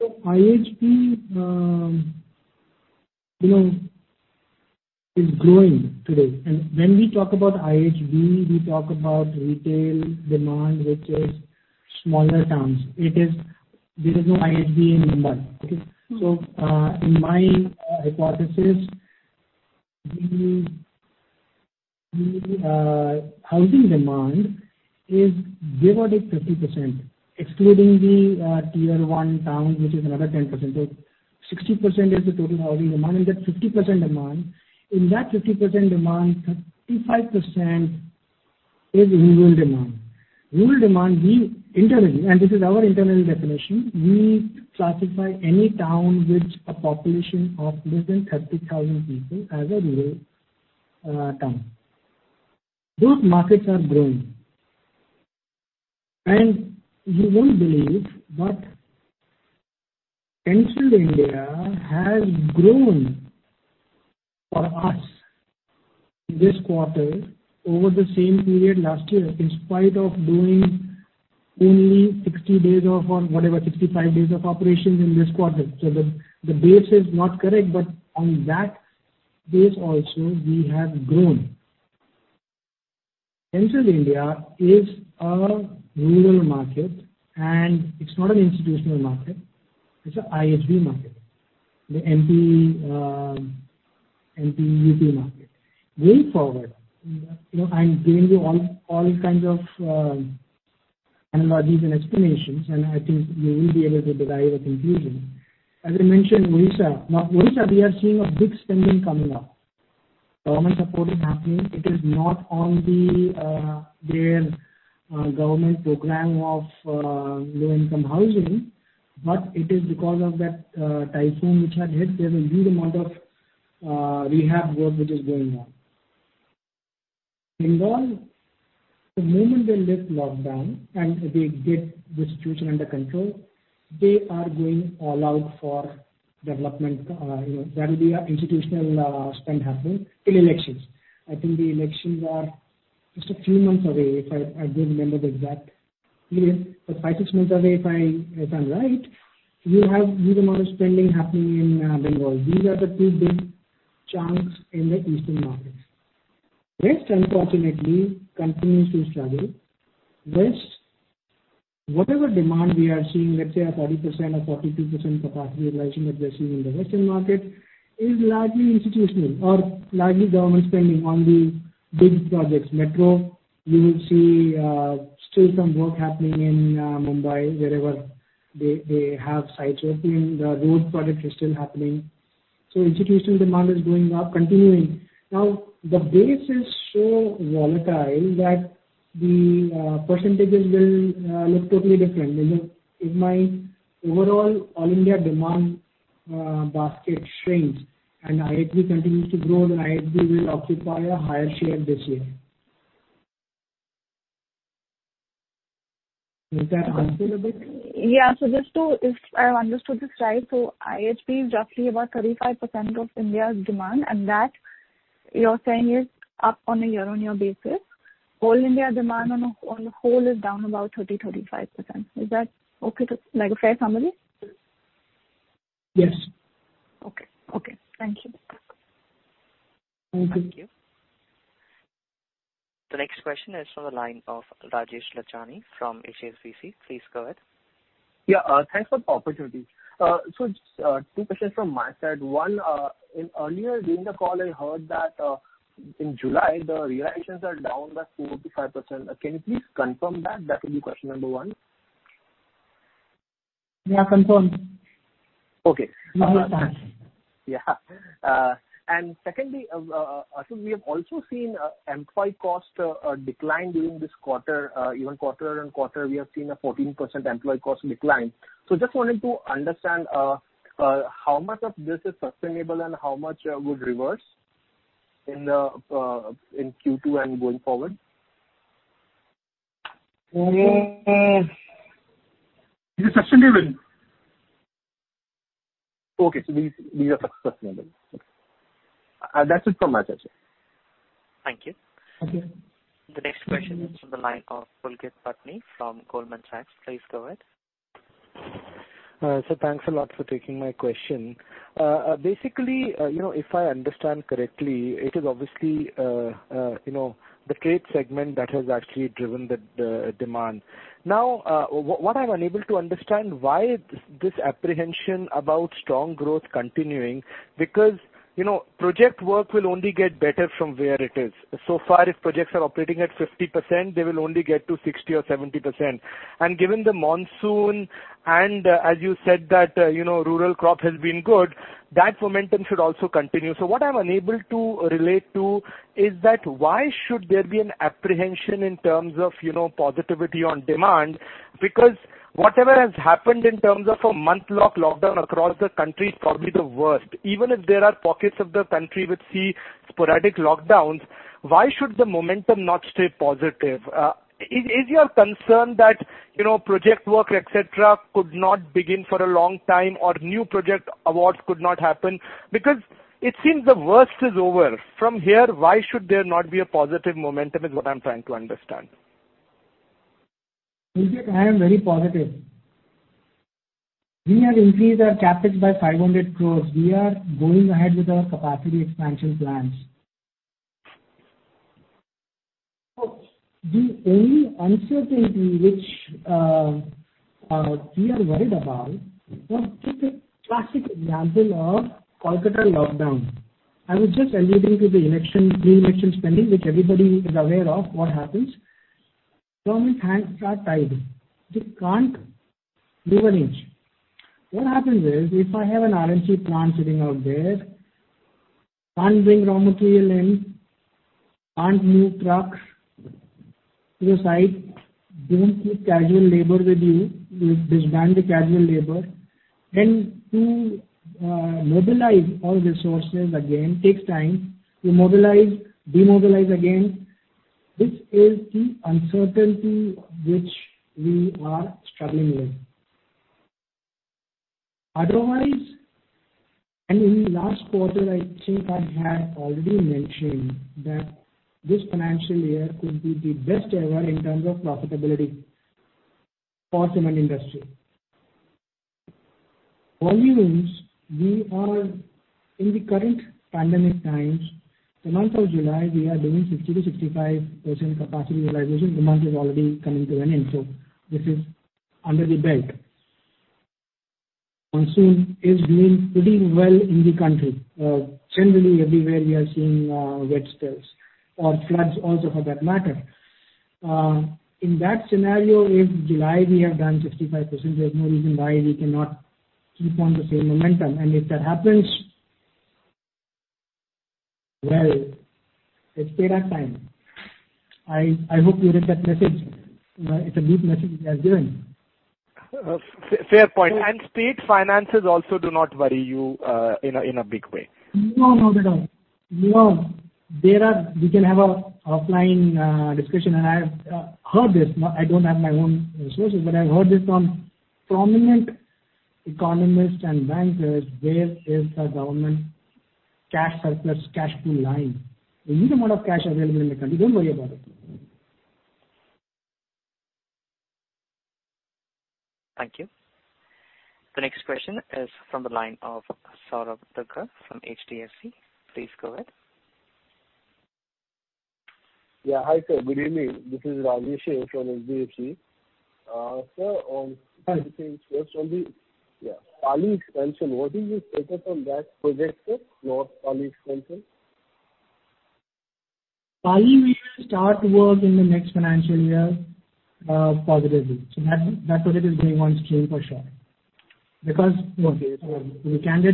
IHB is growing today. When we talk about IHB, we talk about retail demand, which is smaller towns. There is no IHB in Mumbai. Okay? In my hypothesis, the housing demand is divided 50%, excluding the Tier 1 town, which is another 10%. 60% is the total housing demand, and that 50% demand, 35% is rural demand. Rural demand, internally, and this is our internal definition, we classify any town with a population of less than 30,000 people as a rural town. Those markets are growing. You won't believe, but Central India has grown for us this quarter over the same period last year, in spite of doing only 60 days or whatever, 65 days of operations in this quarter. The base is not correct, but on that base also, we have grown. Central India is a rural market, and it's not an institutional market. It's an IHB market. The MP, UP market. Going forward, I'm giving you all kinds of analogies and explanations, and I think you will be able to derive a conclusion. As I mentioned, Odisha. Odisha, we are seeing a big spending coming up. Government support is happening. It is not on their government program of low income housing, but it is because of that typhoon which had hit. There's a huge amount of rehab work which is going on. Bengal, the moment they lift lockdown and they get the situation under control, they are going all out for development. That will be our institutional spend happening till elections. I think the elections are just a few months away. I don't remember the exact period, but five, six months away if I'm right. You have huge amount of spending happening in Bengal. These are the two big chunks in the eastern markets. West, unfortunately, continues to struggle. West, whatever demand we are seeing, let's say a 30% or 42% capacity utilization that we are seeing in the western market is largely institutional or largely government spending on the big projects. Metro, you will see still some work happening in Mumbai wherever they have sites working. The road projects are still happening. Institutional demand is going up continuing. The base is so volatile that the percentages will look totally different. If my overall all India demand basket shrinks and IHB continues to grow, then IHB will occupy a higher share this year. Does that answer a bit? Yeah. If I have understood this right, IHB is roughly about 35% of India's demand and that you're saying is up on a year-on-year basis. All India demand on the whole is down about 30%, 35%. Is that okay? Like a fair summary? Yes. Okay. Thank you. Thank you. The next question is from the line of Rajesh Lachhani from HSBC. Please go ahead. Yeah. Thanks for the opportunity. Just two questions from my side. One, earlier during the call, I heard that in July, the realizations are down by 45%. Can you please confirm that? That will be question number one. Yeah, confirmed. Okay. Realized. Yeah. Secondly, I think we have also seen employee cost decline during this quarter. Even quarter-on-quarter, we have seen a 14% employee cost decline. Just wanted to understand how much of this is sustainable and how much would reverse in Q2 and going forward. It is sustainable. Okay. These are sustainable. Okay. That's it from my side, sir. Thank you. Thank you. The next question is from the line of Pulkit Patni from Goldman Sachs. Please go ahead. Sir, thanks a lot for taking my question. Basically, if I understand correctly, it is obviously the trade segment that has actually driven the demand. What I'm unable to understand, why this apprehension about strong growth continuing, because project work will only get better from where it is. If projects are operating at 50%, they will only get to 60% or 70%. Given the monsoon, and as you said that rural crop has been good, that momentum should also continue. What I'm unable to relate to is that why should there be an apprehension in terms of positivity on demand? Whatever has happened in terms of a month-long lockdown across the country is probably the worst. Even if there are pockets of the country which see sporadic lockdowns, why should the momentum not stay positive? Is your concern that project work, et cetera, could not begin for a long time, or new project awards could not happen? It seems the worst is over. From here, why should there not be a positive momentum, is what I'm trying to understand. Pulkit, I am very positive. We have increased our CapEx by 500 crores. We are going ahead with our capacity expansion plans. The only uncertainty which we are worried about, just take a classic example of Kolkata lockdown. I was just alluding to the pre-election spending, which everybody is aware of what happens. Government hands are tied. They can't move an inch. What happens is, if I have an RMC plant sitting out there, can't bring raw material in, can't move trucks to the site, don't keep casual labor with you've disbanded the casual labor, then to mobilize all resources again takes time. To mobilize, demobilize again. This is the uncertainty which we are struggling with. Otherwise, in the last quarter, I think I had already mentioned that this financial year could be the best ever in terms of profitability for cement industry. Volumes, we are in the current pandemic times, the month of July, we are doing 60%-65% capacity realization. The month is already coming to an end, so this is under the belt. Monsoon is doing pretty well in the country. Generally, everywhere we are seeing red spells or floods also for that matter. In that scenario, if July we have done 65%, there's no reason why we cannot keep on the same momentum. If that happens, well, let's stay that time. I hope you get that message. It's a neat message we have given. Fair point. State finances also do not worry you in a big way? No, not at all. No. We can have an offline discussion, and I've heard this. I don't have my own sources, but I've heard this from prominent economists and bankers. There is a government cash surplus, cash pool line. A huge amount of cash available in the country, don't worry about it. Thank you. The next question is from the line of Saurabh Tukra from HDFC. Please go ahead. Yeah. Hi, sir. Good evening. This is Rajesh from HDFC. Sir. Hi Two things. First on the, yeah, Pali expansion. What is your status on that project, sir? North Pali expansion. Pali, we will start work in the next financial year positively. That project is being on stream for sure, because we can't.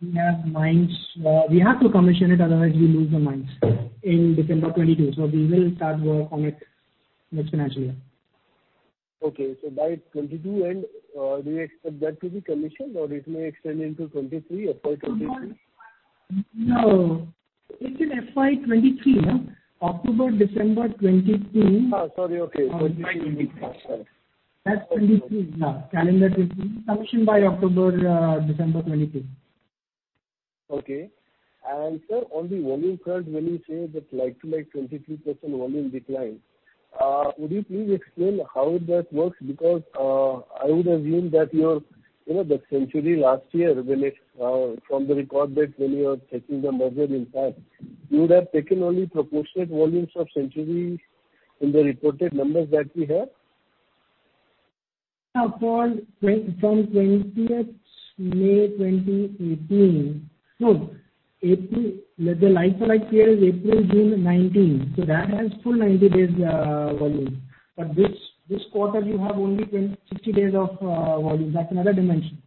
We have mines. We have to commission it, otherwise we lose the mines in December 2022. We will start work on it next financial year. Okay. By 2022 end, do you expect that to be commissioned or it may extend into 2023, FY 2023? No. It's in FY 2023, no? October, December 2023. Sorry. Okay. 2023 would be, gotcha. That's 2023. Yeah. Calendar 2023. Commission by October, December 2023. Okay. Sir, on the volume card, when you say that like to like 23% volume decline. Would you please explain how that works? I would assume that the Century last year, from the record date when you were taking the merger impact, you would have taken only proportionate volumes of Century in the reported numbers that we have. From 20th May 2018. No. The life like here is April, June 2019, so that has full 90 days volume. This quarter you have only 60 days of volume. That's another dimension.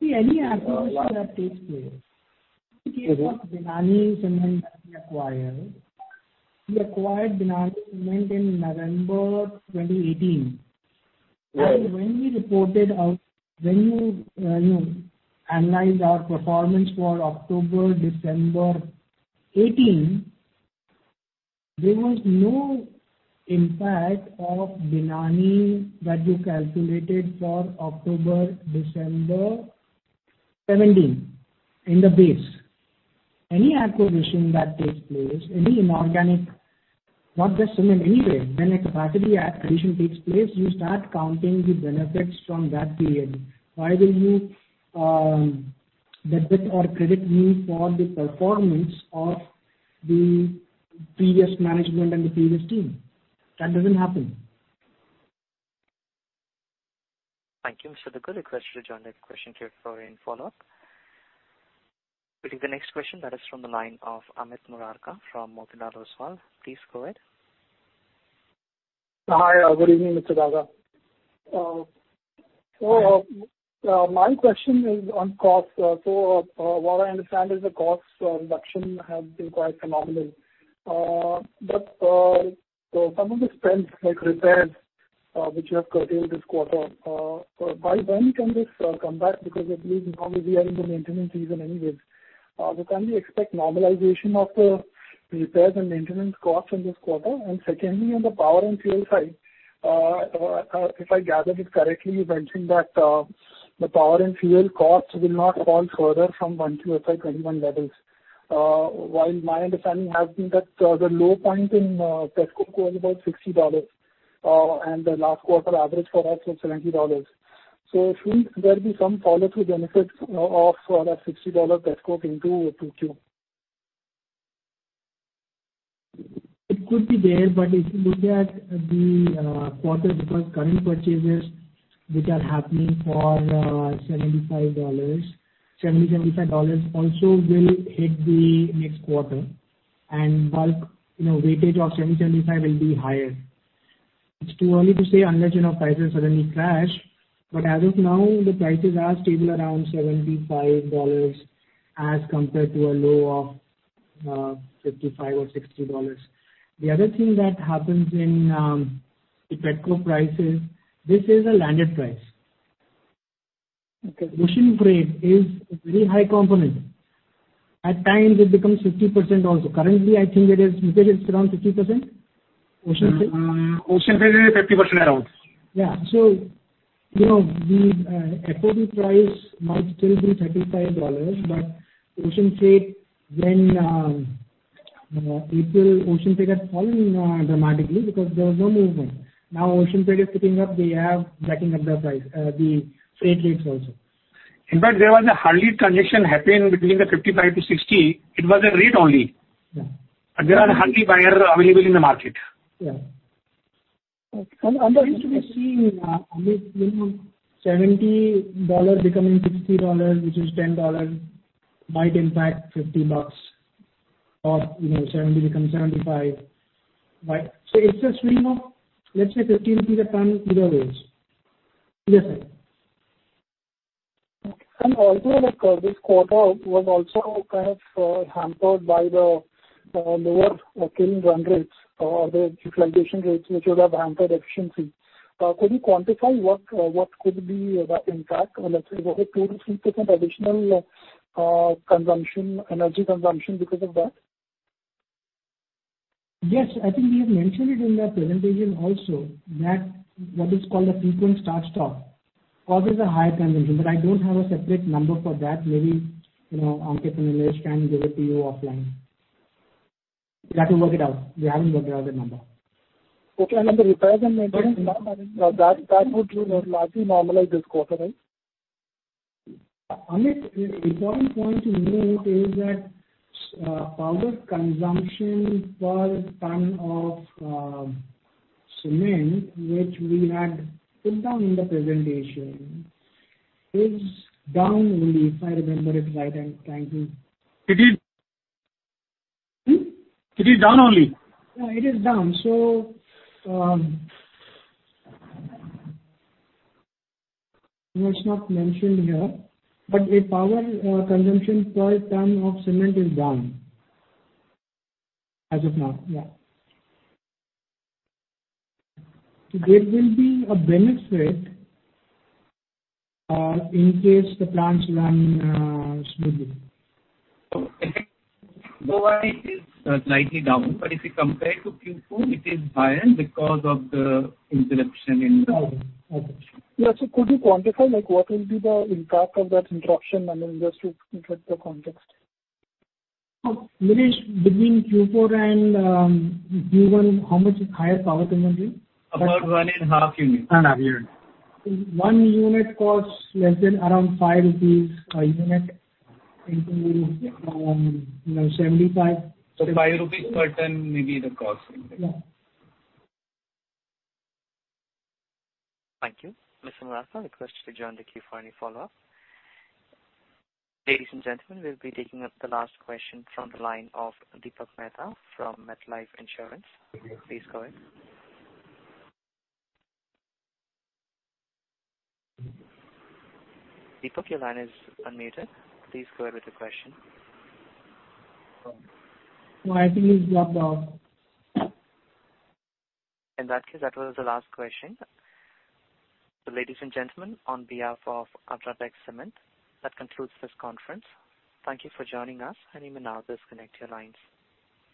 See, any acquisition that takes place. In case of Binani Cement that we acquired, we acquired Binani Cement in November 2018. When you analyze our performance for October, December 2018, there was no impact of Binani that you calculated for October, December 2017 in the base. Any acquisition that takes place, any inorganic, not just cement, any way. When a capacity acquisition takes place, you start counting the benefits from that period. Why will you debit or credit me for the performance of the previous management and the previous team? That doesn't happen. Thank you, Mr. Datar. I request you to join the question queue for any follow-up. We'll take the next question that is from the line of Amit Murarka from Motilal Oswal. Please go ahead. Hi. Good evening, Mr. Daga. My question is on cost. What I understand is the cost reduction has been quite phenomenal. Some of the spends, like repairs, which you have curtailed this quarter, by when can this come back? Because I believe normally we are in the maintenance season anyways. Can we expect normalization of the repairs and maintenance costs in this quarter? Secondly, on the power and fuel side, if I gathered it correctly, you mentioned that the power and fuel costs will not fall further from 1Q FY 2021 levels. While my understanding has been that the low point in pet coke was about INR 60, and the last quarter average for us was INR 70. Shouldn't there be some follow-through benefits of INR 60 pet coke into Q2? It could be there, but if you look at the quarter, because current purchases which are happening for $75 also will hit the next quarter. Bulk weightage of $70-$75 will be higher. It's too early to say unless prices suddenly crash. As of now, the prices are stable around $75 as compared to a low of $55 or $60. The other thing that happens in the pet coke prices, this is a landed price. Ocean freight is a very high component. At times it becomes 50% also. Currently, I think Nilesh, it's around 50%? Ocean freight. Ocean freight is 50% around. Yeah. The FOB price might still be $35, but April ocean freight had fallen dramatically because there was no movement. Ocean freight is picking up. They are backing up the freight rates also. In fact, there was a hardly transaction happen between the 55-60. It was a rate only. Yeah. There are hardly buyers available in the market. Yeah. I'm used to be seeing INR 70 becoming INR 60, which is INR 10, might impact INR 50 or 70 become 75. It's a swing of, let's say, 5 rupees a ton either ways. Either side. Also, like this quarter was also kind of hampered by the lower kiln run rates or the utilization rates, which would have hampered efficiency. Could you quantify what could be the impact? Let's say what, a 2%-3% additional energy consumption because of that? I think we have mentioned it in the presentation also that what is called a frequent start stop causes a higher consumption, but I don't have a separate number for that. Maybe Ankit and Nilesh can give it to you offline. We have to work it out. We haven't worked out the number. Okay. On the repairs and maintenance part, that would largely normalize this quarter, right? Amit, important point to note is that power consumption per ton of cement, which we had put down in the presentation, is down only if I remember it right. It is? It is down only? Yeah, it is down. It's not mentioned here. The power consumption per ton of cement is down. As of now, yeah. There will be a benefit in case the plants run smoothly. I think Q1 is slightly down, but if you compare to Q4 it is higher because of the interruption in the. Okay. Yeah. Could you quantify what will be the impact of that interruption? I mean, just to interpret the context. Nilesh, between Q4 and Q1, how much is higher power consumption? About one and a half units. One unit. One unit costs less than around 5 rupees a unit into 75. 5 rupees per ton may be the cost. Yeah. Thank you. Mr. Murarka, I request you to join the queue for any follow-up. Ladies and gentlemen, we'll be taking up the last question from the line of Deepak Mehta from MetLife Insurance. Please go ahead. Deepak, your line is unmuted. Please go ahead with your question. No, I think he's dropped out. In that case, that was the last question. Ladies and gentlemen, on behalf of UltraTech Cement, that concludes this conference. Thank you for joining us, and you may now disconnect your lines.